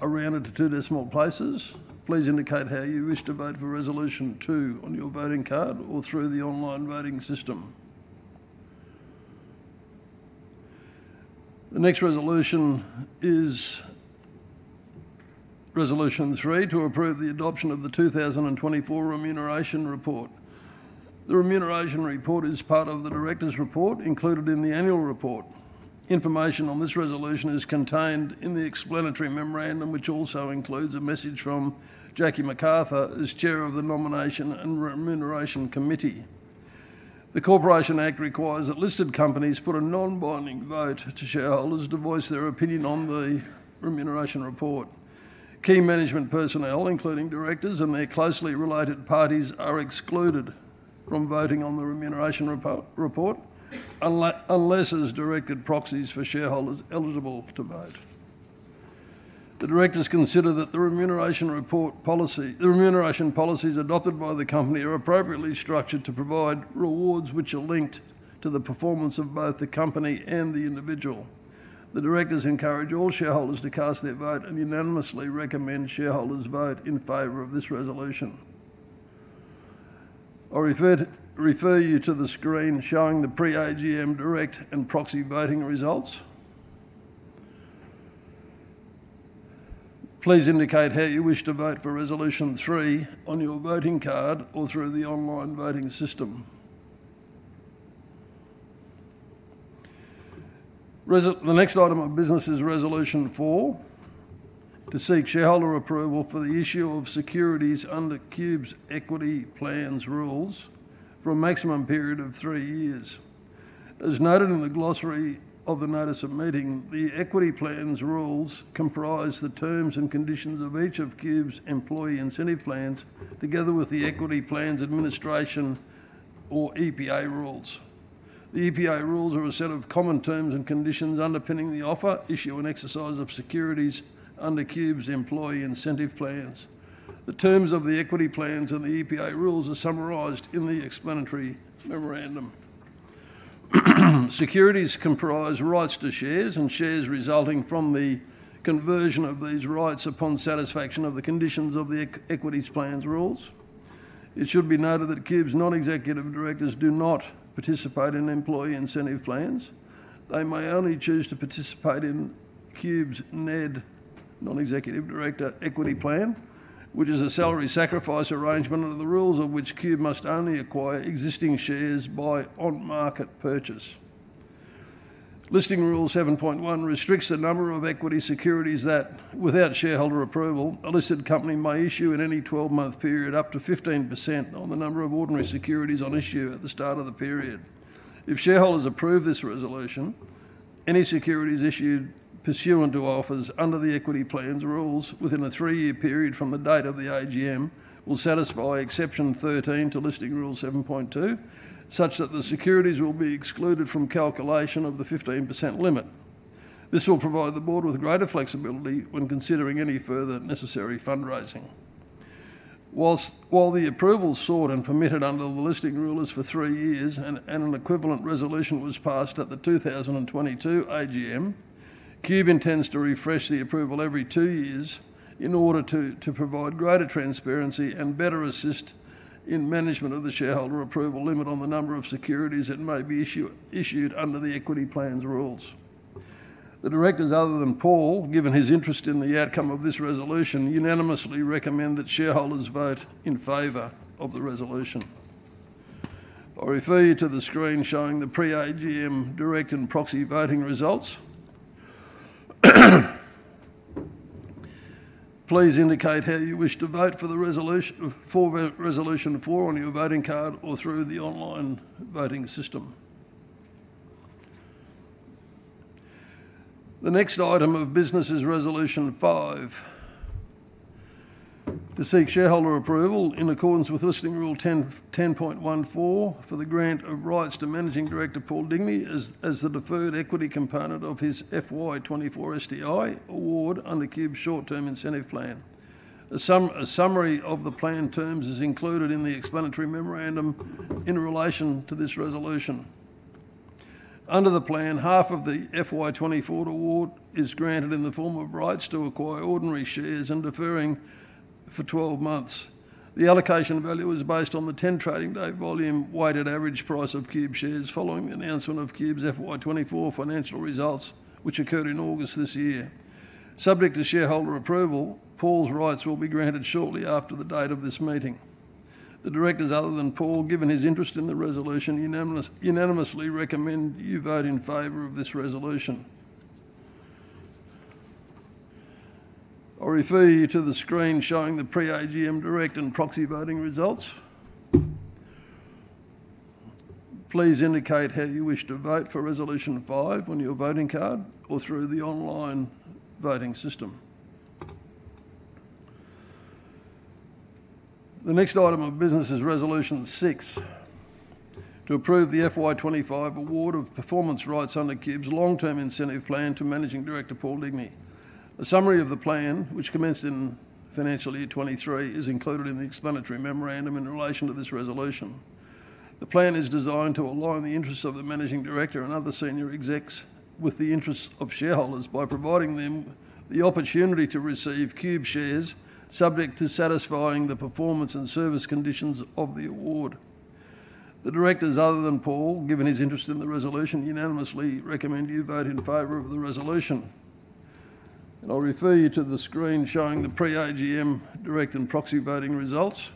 are rounded to two decimal places. Please indicate how you wish to vote for Resolution 2 on your voting card or through the online voting system. The next resolution is Resolution 3 to approve the adoption of the 2024 remuneration report. The remuneration report is part of the directors' report included in the annual report. Information on this resolution is contained in the explanatory memorandum, which also includes a message from Jackie McArthur as Chair of the Nomination and Remuneration Committee. The Corporations Act requires that listed companies put a non-binding vote to shareholders to voice their opinion on the remuneration report. Key management personnel, including directors and their closely related parties, are excluded from voting on the remuneration report unless as directed proxies for shareholders eligible to vote. The directors consider that the remuneration policies adopted by the company are appropriately structured to provide rewards which are linked to the performance of both the company and the individual. The directors encourage all shareholders to cast their vote and unanimously recommend shareholders vote in favor of this resolution. I'll refer you to the screen showing the pre-AGM direct and proxy voting results. Please indicate how you wish to vote for Resolution 3 on your voting card or through the online voting system. The next item of business is Resolution 4 to seek shareholder approval for the issue of securities under Qube's equity plans rules for a maximum period of three years. As noted in the glossary of the notice of meeting, the equity plans rules comprise the terms and conditions of each of Qube's employee incentive plans together with the equity plans administration or EPA rules. The EPA rules are a set of common terms and conditions underpinning the offer, issue, and exercise of securities under Qube's employee incentive plans. The terms of the equity plans and the EPA rules are summarised in the explanatory memorandum. Securities comprise rights to shares and shares resulting from the conversion of these rights upon satisfaction of the conditions of the equity plans' rules. It should be noted that Qube's non-executive directors do not participate in employee incentive plans. They may only choose to participate in Qube's NED non-executive director equity plan, which is a salary sacrifice arrangement, the rules of which Qube must only acquire existing shares by on-market purchase. Listing Rule 7.1 restricts the number of equity securities that, without shareholder approval, a listed company may issue in any 12-month period up to 15% of the number of ordinary securities on issue at the start of the period. If shareholders approve this resolution, any securities issued pursuant to offers under the equity plans rules within a three-year period from the date of the AGM will satisfy Exception 13 to Listing Rule 7.2, such that the securities will be excluded from calculation of the 15% limit. This will provide the board with greater flexibility when considering any further necessary fundraising. While the approval sought and permitted under the listing rule is for three years and an equivalent resolution was passed at the 2022 AGM, Qube intends to refresh the approval every two years in order to provide greater transparency and better assist in management of the shareholder approval limit on the number of securities that may be issued under the equity plans rules. The directors, other than Paul, given his interest in the outcome of this resolution, unanimously recommend that shareholders vote in favor of the resolution. I'll refer you to the screen showing the pre-AGM direct and proxy voting results. Please indicate how you wish to vote for Resolution 4 on your voting card or through the online voting system. The next item of business is Resolution 5 to seek shareholder approval in accordance with Listing Rule 10.14 for the grant of rights to Managing Director Paul Digney as the deferred equity component of his FY 2024 STI award under Qube's short-term incentive plan. A summary of the planned terms is included in the explanatory memorandum in relation to this resolution. Under the plan, half of the FY 2024 award is granted in the form of rights to acquire ordinary shares and deferring for 12 months. The allocation value is based on the 10 trading day volume weighted average price of Qube shares following the announcement of Qube's FY 2024 financial results, which occurred in August this year. Subject to shareholder approval, Paul's rights will be granted shortly after the date of this meeting. The directors, other than Paul, given his interest in the resolution, unanimously recommend you vote in favor of this resolution. I'll refer you to the screen showing the pre-AGM direct and proxy voting results. Please indicate how you wish to vote for Resolution 5 on your voting card or through the online voting system. The next item of business is Resolution 6 to approve the FY 2025 award of performance rights under Qube's long-term incentive plan to Managing Director Paul Digney. A summary of the plan, which commenced in financial year 23, is included in the explanatory memorandum in relation to this resolution. The plan is designed to align the interests of the Managing Director and other senior execs with the interests of shareholders by providing them the opportunity to receive Qube shares subject to satisfying the performance and service conditions of the award. The directors, other than Paul, given his interest in the resolution, unanimously recommend you vote in favor of the resolution, and I'll refer you to the screen showing the pre-AGM direct and proxy voting results.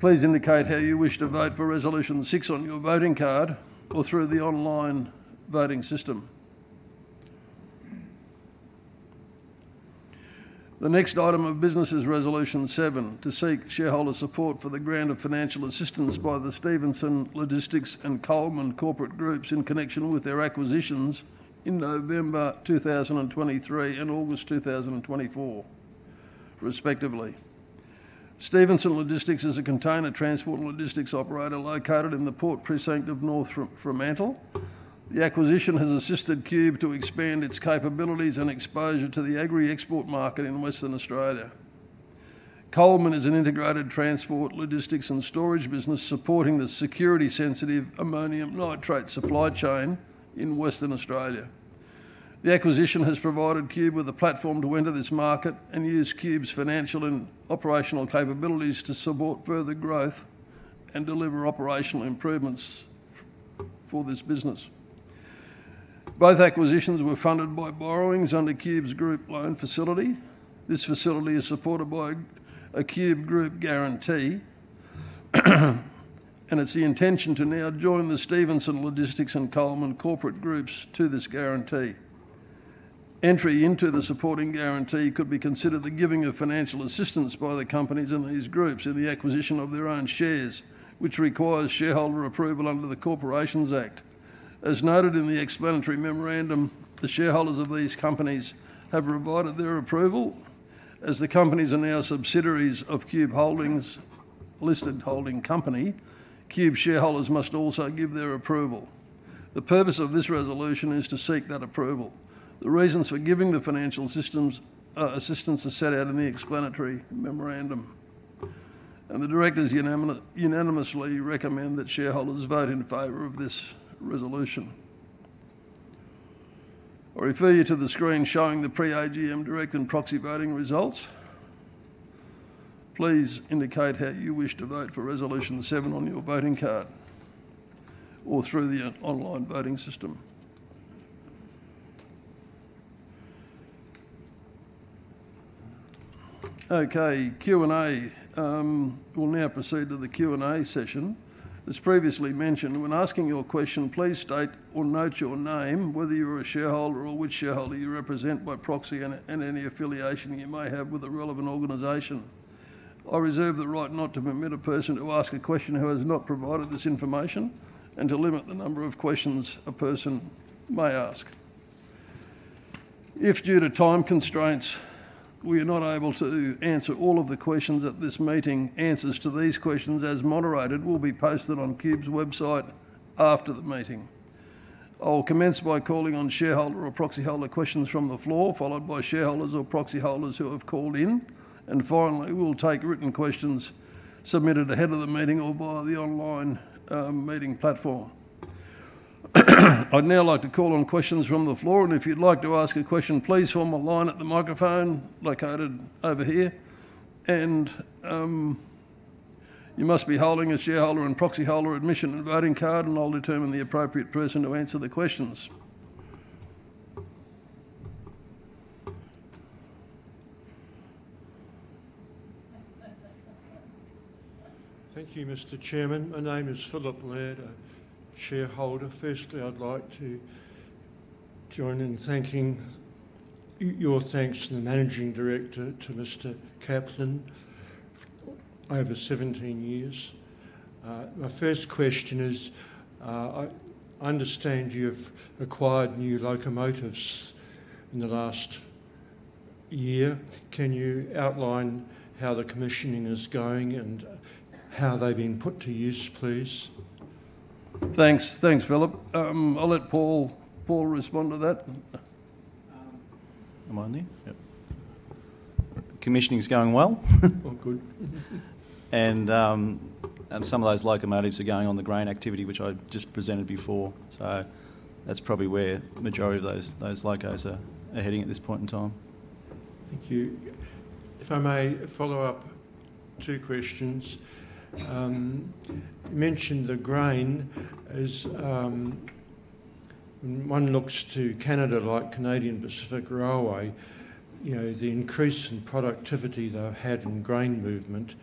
Please indicate how you wish to vote for Resolution 6 on your voting card or through the online voting system. The next item of business is Resolution 7 to seek shareholder support for the grant of financial assistance by the Stevenson Logistics and Coleman Corporate Groups in connection with their acquisitions in November 2023 and August 2024, respectively. Stevenson Logistics is a container transport logistics operator located in the port precinct of North Fremantle. The acquisition has assisted Qube to expand its capabilities and exposure to the agri export market in Western Australia. Coleman is an integrated transport, logistics, and storage business supporting the security-sensitive ammonium nitrate supply chain in Western Australia. The acquisition has provided Qube with a platform to enter this market and use Qube's financial and operational capabilities to support further growth and deliver operational improvements for this business. Both acquisitions were funded by borrowings under Qube's group loan facility. This facility is supported by a Qube Group guarantee, and it's the intention to now join the Stevenson Logistics and Coleman Corporate Groups to this guarantee. Entry into the supporting guarantee could be considered the giving of financial assistance by the companies in these groups in the acquisition of their own shares, which requires shareholder approval under the Corporations Act. As noted in the explanatory memorandum, the shareholders of these companies have provided their approval. As the companies are now subsidiaries of Qube Holdings Limited holding company, Qube shareholders must also give their approval. The purpose of this resolution is to seek that approval. The reasons for giving the financial assistance are set out in the explanatory memorandum, and the directors unanimously recommend that shareholders vote in favor of this resolution. I'll refer you to the screen showing the pre-AGM direct and proxy voting results. Please indicate how you wish to vote for Resolution seven on your voting card or through the online voting system. Okay, Q&A. We'll now proceed to the Q&A session. As previously mentioned, when asking your question, please state or note your name, whether you're a shareholder or which shareholder you represent by proxy, and any affiliation you may have with a relevant organization. I reserve the right not to permit a person to ask a question who has not provided this information and to limit the number of questions a person may ask. If due to time constraints, we are not able to answer all of the questions at this meeting, answers to these questions as moderated will be posted on Qube's website after the meeting. I'll commence by calling on shareholder or proxy holder questions from the floor, followed by shareholders or proxy holders who have called in, and finally, we'll take written questions submitted ahead of the meeting or via the online meeting platform. I'd now like to call on questions from the floor, and if you'd like to ask a question, please form a line at the microphone located over here. You must be holding a shareholder and proxy holder admission and voting card, and I'll determine the appropriate person to answer the questions. Thank you, Mr. Chairman. My name is Philip Laird, a shareholder. Firstly, I'd like to join in thanking your thanks to the managing director, to Mr. Kaplan, over 17 years. My first question is, I understand you've acquired new locomotives in the last year. Can you outline how the commissioning is going and how they've been put to use, please? Thanks. Thanks, Philip. I'll let Paul respond to that. Am I in there? Yep. Commissioning's going well. All good. And some of those locomotives are going on the grain activity, which I just presented before. So that's probably where the majority of those locos are heading at this point in time. Thank you. If I may follow up two questions. You mentioned the grain as one looks to Canada, like Canadian Pacific Railway, the increase in productivity they've had in grain movement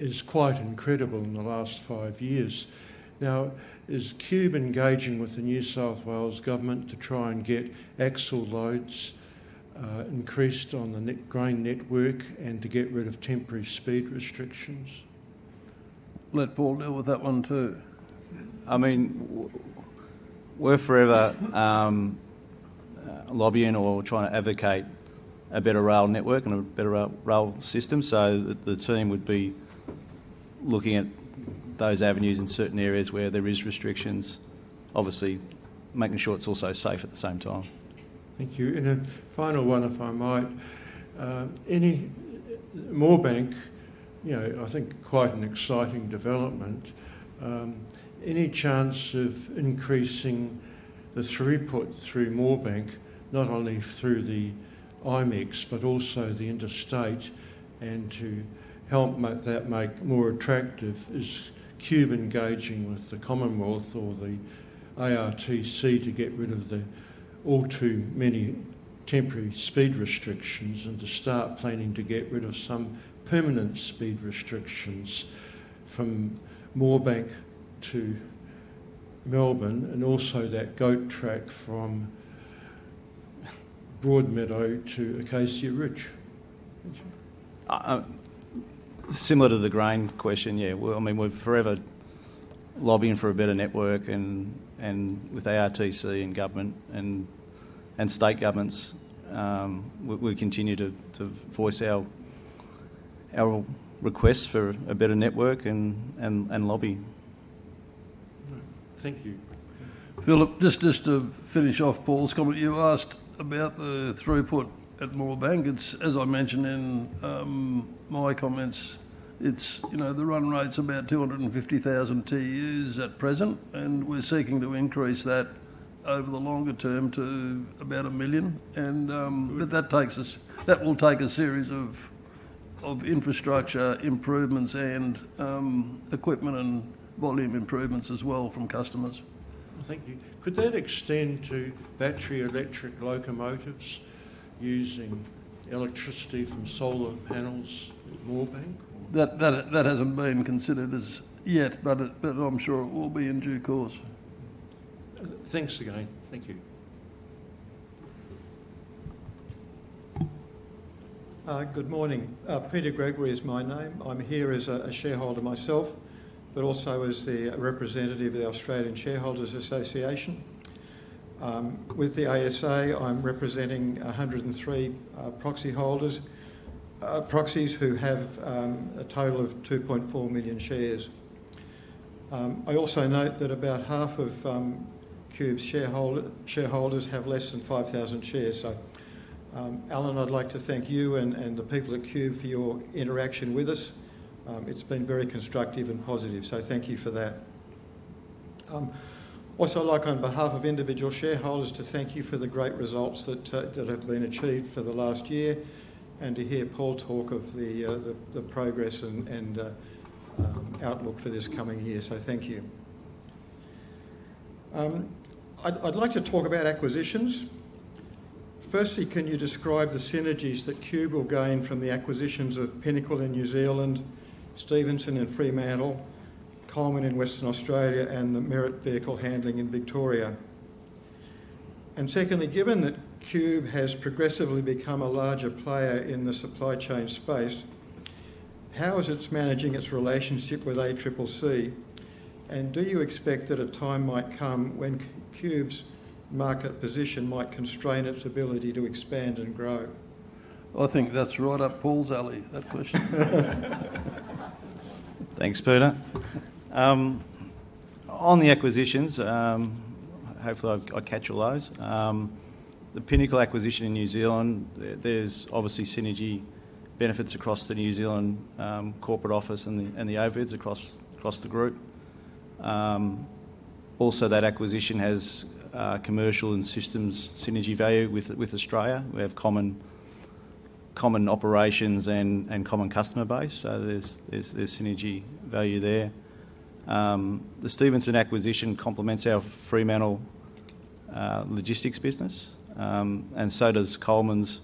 is quite incredible in the last five years. Now, is Qube engaging with the New South Wales government to try and get axle loads increased on the grain network and to get rid of temporary speed restrictions? Let Paul deal with that one too. I mean, we're forever lobbying or trying to advocate a better rail network and a better rail system. So the team would be looking at those avenues in certain areas where there are restrictions, obviously making sure it's also safe at the same time. Thank you, and a final one, if I might. Moorebank, I think quite an exciting development. Any chance of increasing the throughput through Moorebank, not only through the IMEX, but also the interstate, and to help make that more attractive? Is Qube engaging with the Commonwealth or the ARTC to get rid of the all-too-many temporary speed restrictions and to start planning to get rid of some permanent speed restrictions from Moorebank to Melbourne and also that goat track from Broadmeadow to Acacia Ridge? Similar to the grain question, yeah. I mean, we're forever lobbying for a better network and with ARTC and government and state governments. We continue to voice our request for a better network and lobby. Thank you. Philip, just to finish off Paul's comment, you asked about the throughput at Moorebank. As I mentioned in my comments, the run rate's about 250,000 TEUs at present, and we're seeking to increase that over the longer term to about a million. That will take a series of infrastructure improvements and equipment and volume improvements as well from customers. Thank you. Could that extend to battery electric locomotives using electricity from solar panels at Moorebank? That hasn't been considered yet, but I'm sure it will be in due course. Thanks again. Thank you. Good morning. Peter Gregory is my name. I'm here as a shareholder myself, but also as the representative of the Australian Shareholders' Association. With the ASA, I'm representing 103 proxies who have a total of 2.4 million shares. I also note that about half of Qube's shareholders have less than 5,000 shares. So, Alan, I'd like to thank you and the people at Qube for your interaction with us. It's been very constructive and positive, so thank you for that. Also, I'd like on behalf of individual shareholders to thank you for the great results that have been achieved for the last year and to hear Paul talk of the progress and outlook for this coming year. So thank you. I'd like to talk about acquisitions. Firstly, can you describe the synergies that Qube will gain from the acquisitions of Pinnacle in New Zealand, Stevenson in Fremantle, Coleman in Western Australia, and the Mirrat in Victoria? And secondly, given that Qube has progressively become a larger player in the supply chain space, how is it managing its relationship with ACCC? And do you expect that a time might come when Qube's market position might constrain its ability to expand and grow? I think that's right up Paul's alley, that question. Thanks, Peter. On the acquisitions, hopefully I'll catch all those. The Pinnacle acquisition in New Zealand, there's obviously synergy benefits across the New Zealand corporate office and the overheads across the group. Also, that acquisition has commercial and systems synergy value with Australia. We have common operations and common customer base, so there's synergy value there. The Stevenson acquisition complements our Fremantle logistics business, and so does Coleman's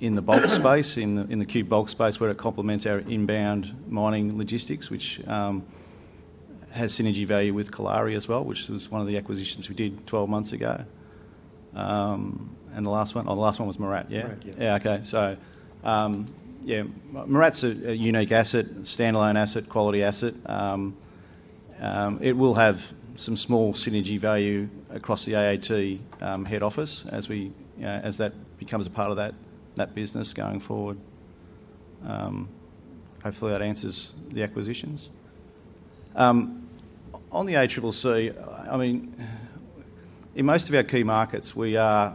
in the bulk space, in the Qube Bulk space, where it complements our inbound mining logistics, which has synergy value with Kalari as well, which was one of the acquisitions we did 12 months ago. And the last one was MIRRAT, yeah? MIRRAT, yeah. Yeah, okay. So yeah, Mirrat's a unique asset, standalone asset, quality asset. It will have some small synergy value across the AAT head office as that becomes a part of that business going forward. Hopefully, that answers the acquisitions. On the ACCC, I mean, in most of our key markets, we've built a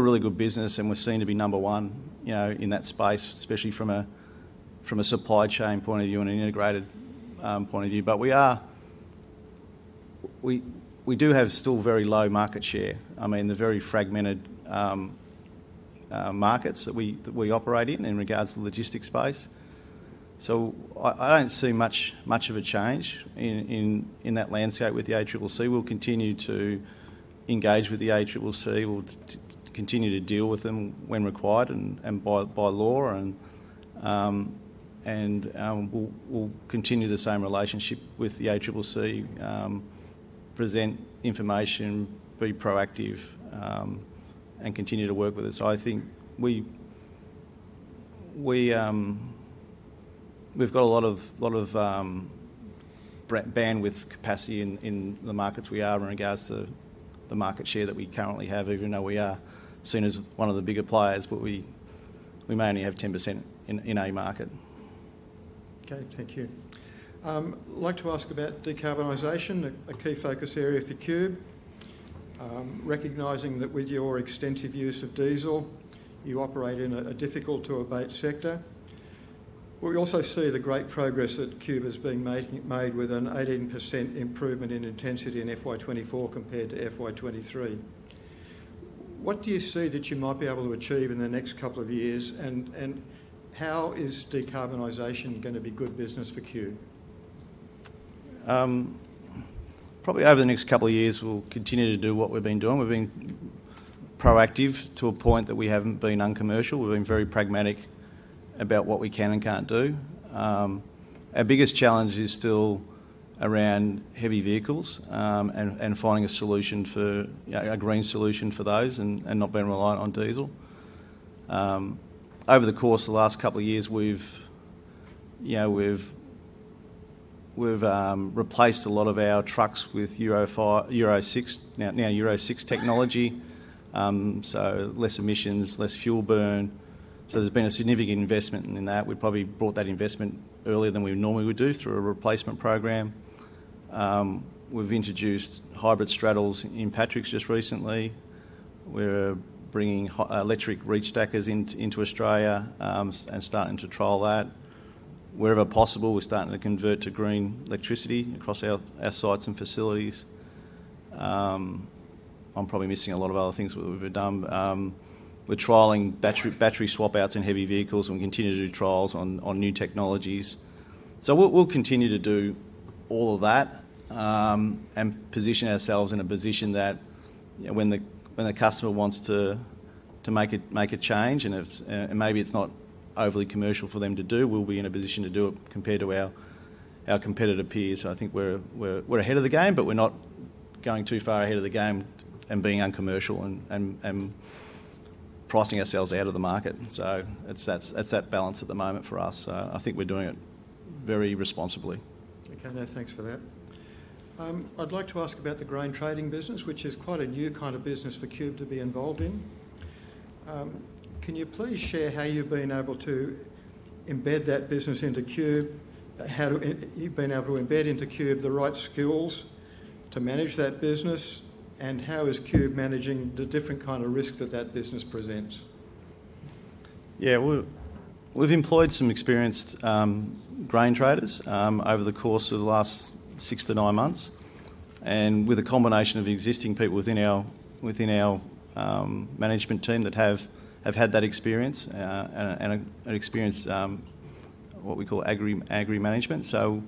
really good business and we're seen to be number one in that space, especially from a supply chain point of view and an integrated point of view. But we do have still very low market share. I mean, the very fragmented markets that we operate in regards to the logistics space. So I don't see much of a change in that landscape with the ACCC. We'll continue to engage with the ACCC, we'll continue to deal with them when required and by law, and we'll continue the same relationship with the ACCC, present information, be proactive, and continue to work with it. So I think we've got a lot of bandwidth capacity in the markets we are in regards to the market share that we currently have, even though we are seen as one of the bigger players, but we mainly have 10% in our market. Okay, thank you. I'd like to ask about decarbonization, a key focus area for Qube, recognizing that with your extensive use of diesel, you operate in a difficult-to-abate sector. We also see the great progress that Qube has been made with an 18% improvement in intensity in FY 2024 compared to FY 2023. What do you see that you might be able to achieve in the next couple of years, and how is decarbonization going to be good business for Qube? Probably over the next couple of years, we'll continue to do what we've been doing. We've been proactive to a point that we haven't been uncommercial. We've been very pragmatic about what we can and can't do. Our biggest challenge is still around heavy vehicles and finding a solution for a green solution for those and not being reliant on diesel. Over the course of the last couple of years, we've replaced a lot of our trucks with Euro 6, now Euro 6 technology, so less emissions, less fuel burn. So there's been a significant investment in that. We probably brought that investment earlier than we normally would do through a replacement program. We've introduced hybrid straddles in Patrick's just recently. We're bringing electric reach stackers into Australia and starting to trial that. Wherever possible, we're starting to convert to green electricity across our sites and facilities. I'm probably missing a lot of other things that we've done. We're trialling battery swap-outs in heavy vehicles, and we continue to do trials on new technologies. So we'll continue to do all of that and position ourselves in a position that when the customer wants to make a change, and maybe it's not overly commercial for them to do, we'll be in a position to do it compared to our competitor peers. So I think we're ahead of the game, but we're not going too far ahead of the game and being uncommercial and pricing ourselves out of the market. So it's that balance at the moment for us. So I think we're doing it very responsibly. Okay, no, thanks for that. I'd like to ask about the grain trading business, which is quite a new kind of business for Qube to be involved in. Can you please share how you've been able to embed that business into Qube, how you've been able to embed into Qube the right skills to manage that business, and how is Qube managing the different kind of risk that that business presents? Yeah, we've employed some experienced grain traders over the course of the last six to nine months, and with a combination of existing people within our management team that have had that experience and an experience in what we call agri management. So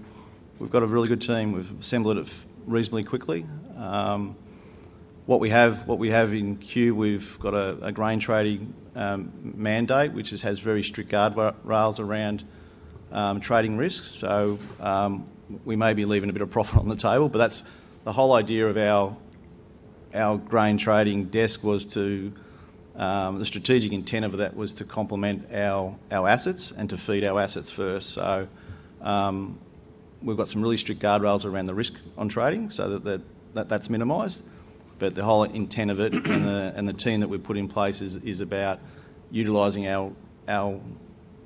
we've got a really good team. We've assembled it reasonably quickly. What we have in Qube, we've got a grain trading mandate, which has very strict guardrails around trading risk. So we may be leaving a bit of profit on the table, but that's the whole idea of our grain trading desk was to the strategic intent of that was to complement our assets and to feed our assets first. So we've got some really strict guardrails around the risk on trading so that that's minimized. But the whole intent of it and the team that we've put in place is about utilizing our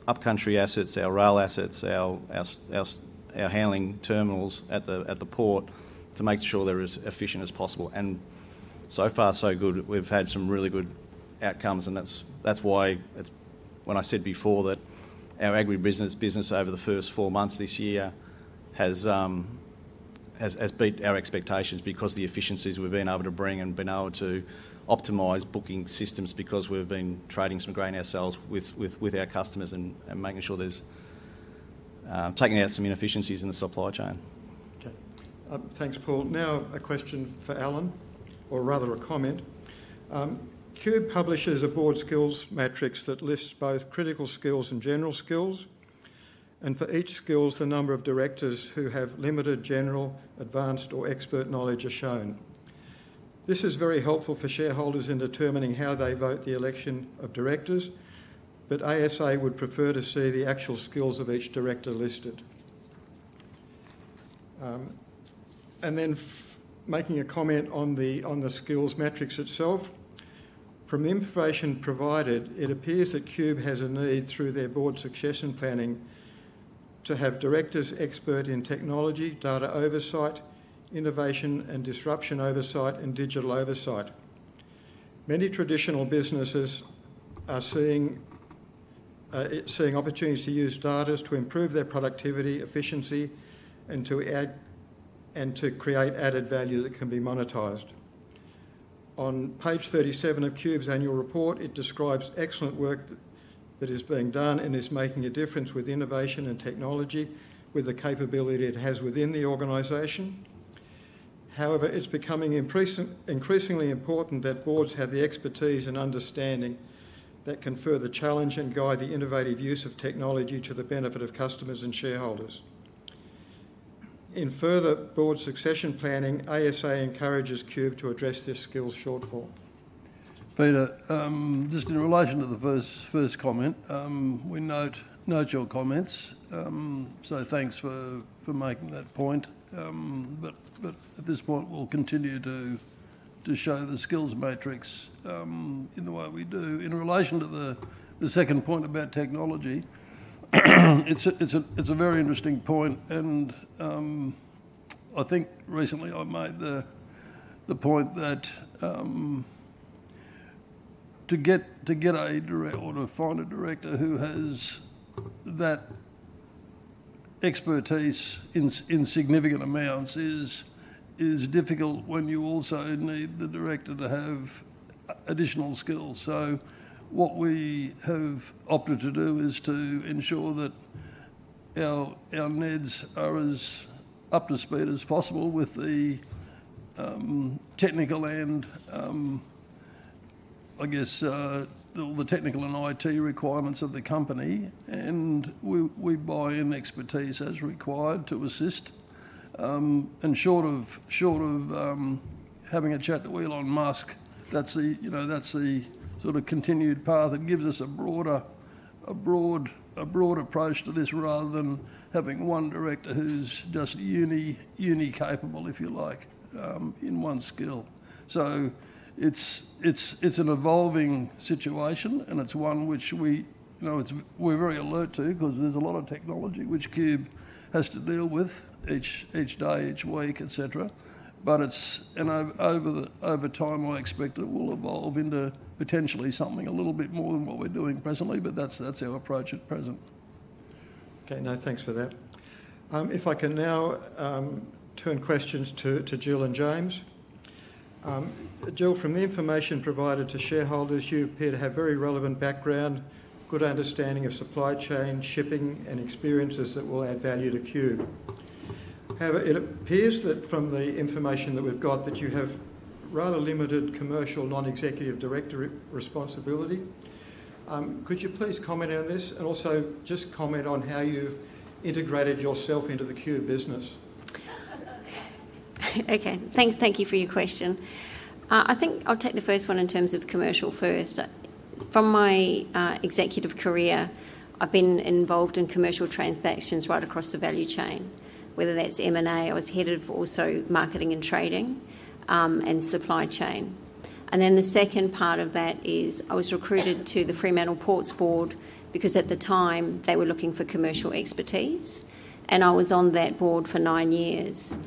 upcountry assets, our rail assets, our handling terminals at the port to make sure they're as efficient as possible. And so far, so good. We've had some really good outcomes, and that's why when I said before that our agri business over the first four months this year has beat our expectations because of the efficiencies we've been able to bring and been able to optimize booking systems because we've been trading some grain ourselves with our customers and making sure we're taking out some inefficiencies in the supply chain. Okay, thanks, Paul. Now, a question for Alan, or rather a comment. Qube publishes a board skills matrix that lists both critical skills and general skills, and for each skill, the number of directors who have limited, general, advanced, or expert knowledge are shown. This is very helpful for shareholders in determining how they vote the election of directors, but ASA would prefer to see the actual skills of each director listed. Then making a comment on the skills matrix itself, from the information provided, it appears that Qube has a need through their board succession planning to have directors expert in technology, data oversight, innovation and disruption oversight, and digital oversight. Many traditional businesses are seeing opportunities to use data to improve their productivity, efficiency, and to create added value that can be monetized. On page 37 of Qube's annual report, it describes excellent work that is being done and is making a difference with innovation and technology with the capability it has within the organization. However, it's becoming increasingly important that boards have the expertise and understanding that can further challenge and guide the innovative use of technology to the benefit of customers and shareholders. In further board succession planning, ASA encourages Qube to address this skills shortfall. Peter, just in relation to the first comment, we note your comments, so thanks for making that point. But at this point, we'll continue to show the skills matrix in the way we do. In relation to the second point about technology, it's a very interesting point, and I think recently I made the point that to get a director or to find a director who has that expertise in significant amounts is difficult when you also need the director to have additional skills. So what we have opted to do is to ensure that our needs are as up to speed as possible with the technical and, I guess, the technical and IT requirements of the company, and we buy in expertise as required to assist. And short of having a chat to Elon Musk, that's the sort of continued path. It gives us a broader approach to this rather than having one director who's just uni-capable, if you like, in one skill. So it's an evolving situation, and it's one which we're very alert to because there's a lot of technology which Qube has to deal with each day, each week, etc. But over time, I expect it will evolve into potentially something a little bit more than what we're doing presently, but that's our approach at present. Okay, no, thanks for that. If I can now turn questions to Jill and James. Jill, from the information provided to shareholders, you appear to have very relevant background, good understanding of supply chain, shipping, and experiences that will add value to Qube. It appears that from the information that we've got, that you have rather limited commercial non-executive director responsibility. Could you please comment on this and also just comment on how you've integrated yourself into the Qube business? Okay, thanks. Thank you for your question. I think I'll take the first one in terms of commercial first. From my executive career, I've been involved in commercial transactions right across the value chain, whether that's M&A. I headed marketing and trading and supply chain. And then the second part of that is I was recruited to the Fremantle Ports Board because at the time, they were looking for commercial expertise, and I was on that board for nine years.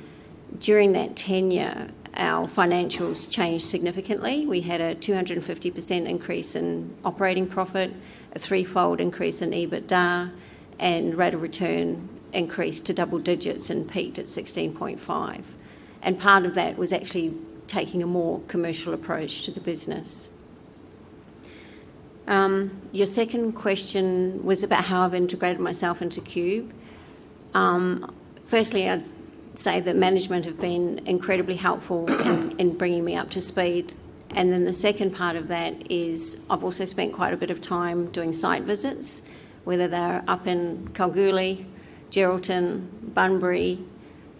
During that tenure, our financials changed significantly. We had a 250% increase in operating profit, a threefold increase in EBITA, and rate of return increased to double digits and peaked at 16.5. And part of that was actually taking a more commercial approach to the business. Your second question was about how I've integrated myself into Qube. Firstly, I'd say that management has been incredibly helpful in bringing me up to speed. And then the second part of that is I've also spent quite a bit of time doing site visits, whether they're up in Kalgoorlie, Geraldton, Bunbury,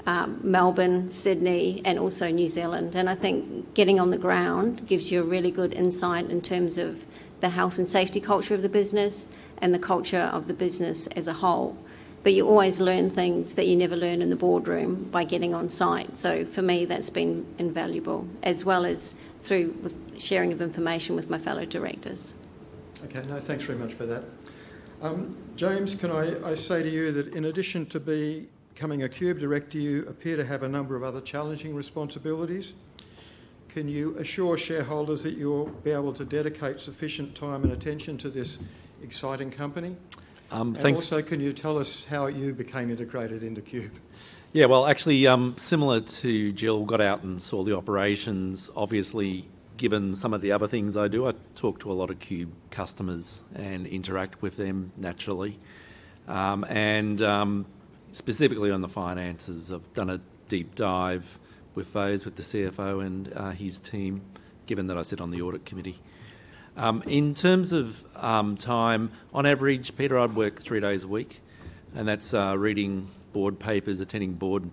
Melbourne, Sydney, and also New Zealand. And I think getting on the ground gives you a really good insight in terms of the health and safety culture of the business and the culture of the business as a whole. But you always learn things that you never learn in the boardroom by getting on site. So for me, that's been invaluable, as well as through sharing of information with my fellow directors. Okay, no, thanks very much for that. James, can I say to you that in addition to becoming a Qube director, you appear to have a number of other challenging responsibilities? Can you assure shareholders that you'll be able to dedicate sufficient time and attention to this exciting company? And also, can you tell us how you became integrated into Qube? Yeah, well, actually, similar to Jill, got out and saw the operations. Obviously, given some of the other things I do, I talk to a lot of Qube customers and interact with them naturally. And specifically on the finances, I've done a deep dive with Fays, with the CFO and his team, given that I sit on the audit committee. In terms of time, on average, Peter, I'd work three days a week, and that's reading board papers, attending board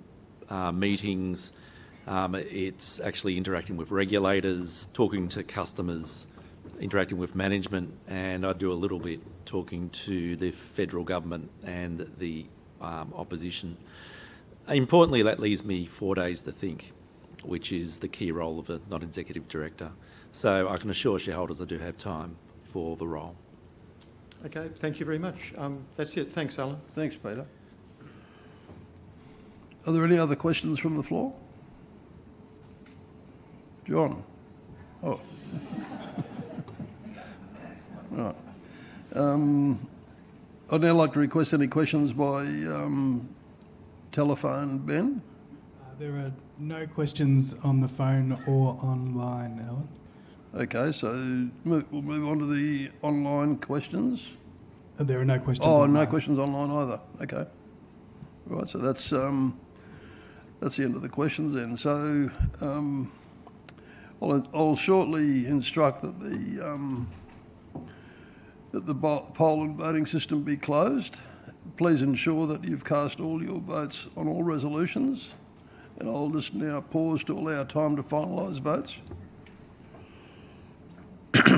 meetings, it's actually interacting with regulators, talking to customers, interacting with management, and I do a little bit talking to the federal government and the opposition. Importantly, that leaves me four days to think, which is the key role of a non-executive director. So I can assure shareholders I do have time for the role. Okay, thank you very much. That's it. Thanks, Alan. Thanks, Peter. Are there any other questions from the floor? John? Oh. All right. I'd now like to request any questions by telephone, Ben? There are no questions on the phone or online, Alan. Okay, so we'll move on to the online questions. There are no questions online. Oh, no questions online either. Okay. All right, so that's the end of the questions. And so I'll shortly instruct that the poll and voting system be closed. Please ensure that you've cast all your votes on all resolutions. And I'll just now pause to allow time to finalize votes. For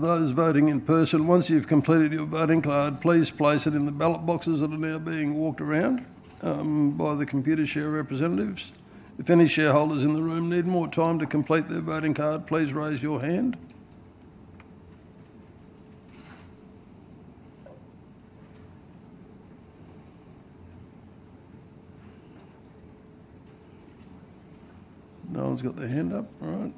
those voting in person, once you've completed your voting card, please place it in the ballot boxes that are now being walked around by the Computershare representatives. If any shareholders in the room need more time to complete their voting card, please raise your hand. No one's got their hand up, all right.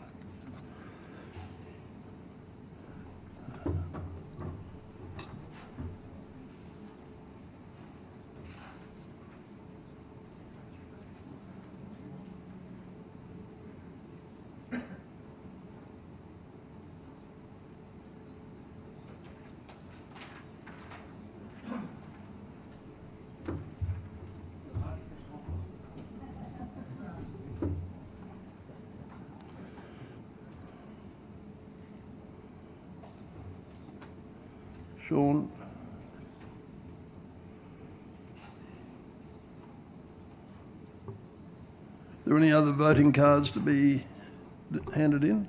Sean? Are there any other voting cards to be handed in?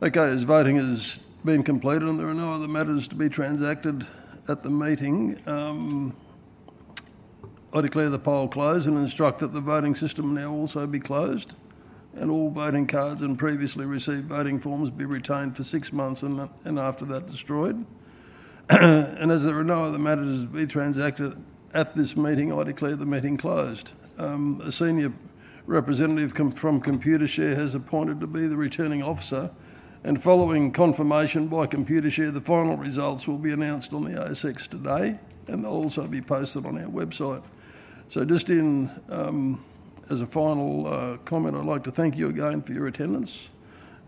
Okay, as voting has been completed and there are no other matters to be transacted at the meeting, I declare the poll closed and instruct that the voting system now also be closed and all voting cards and previously received voting forms be retained for six months and after that destroyed, and as there are no other matters to be transacted at this meeting, I declare the meeting closed. A senior representative from Computershare has been appointed to be the returning officer, and following confirmation by Computershare, the final results will be announced on the ASX today and also be posted on our website, and just as a final comment, I'd like to thank you again for your attendance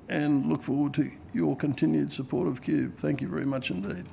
and look forward to your continued support of Qube. Thank you very much indeed.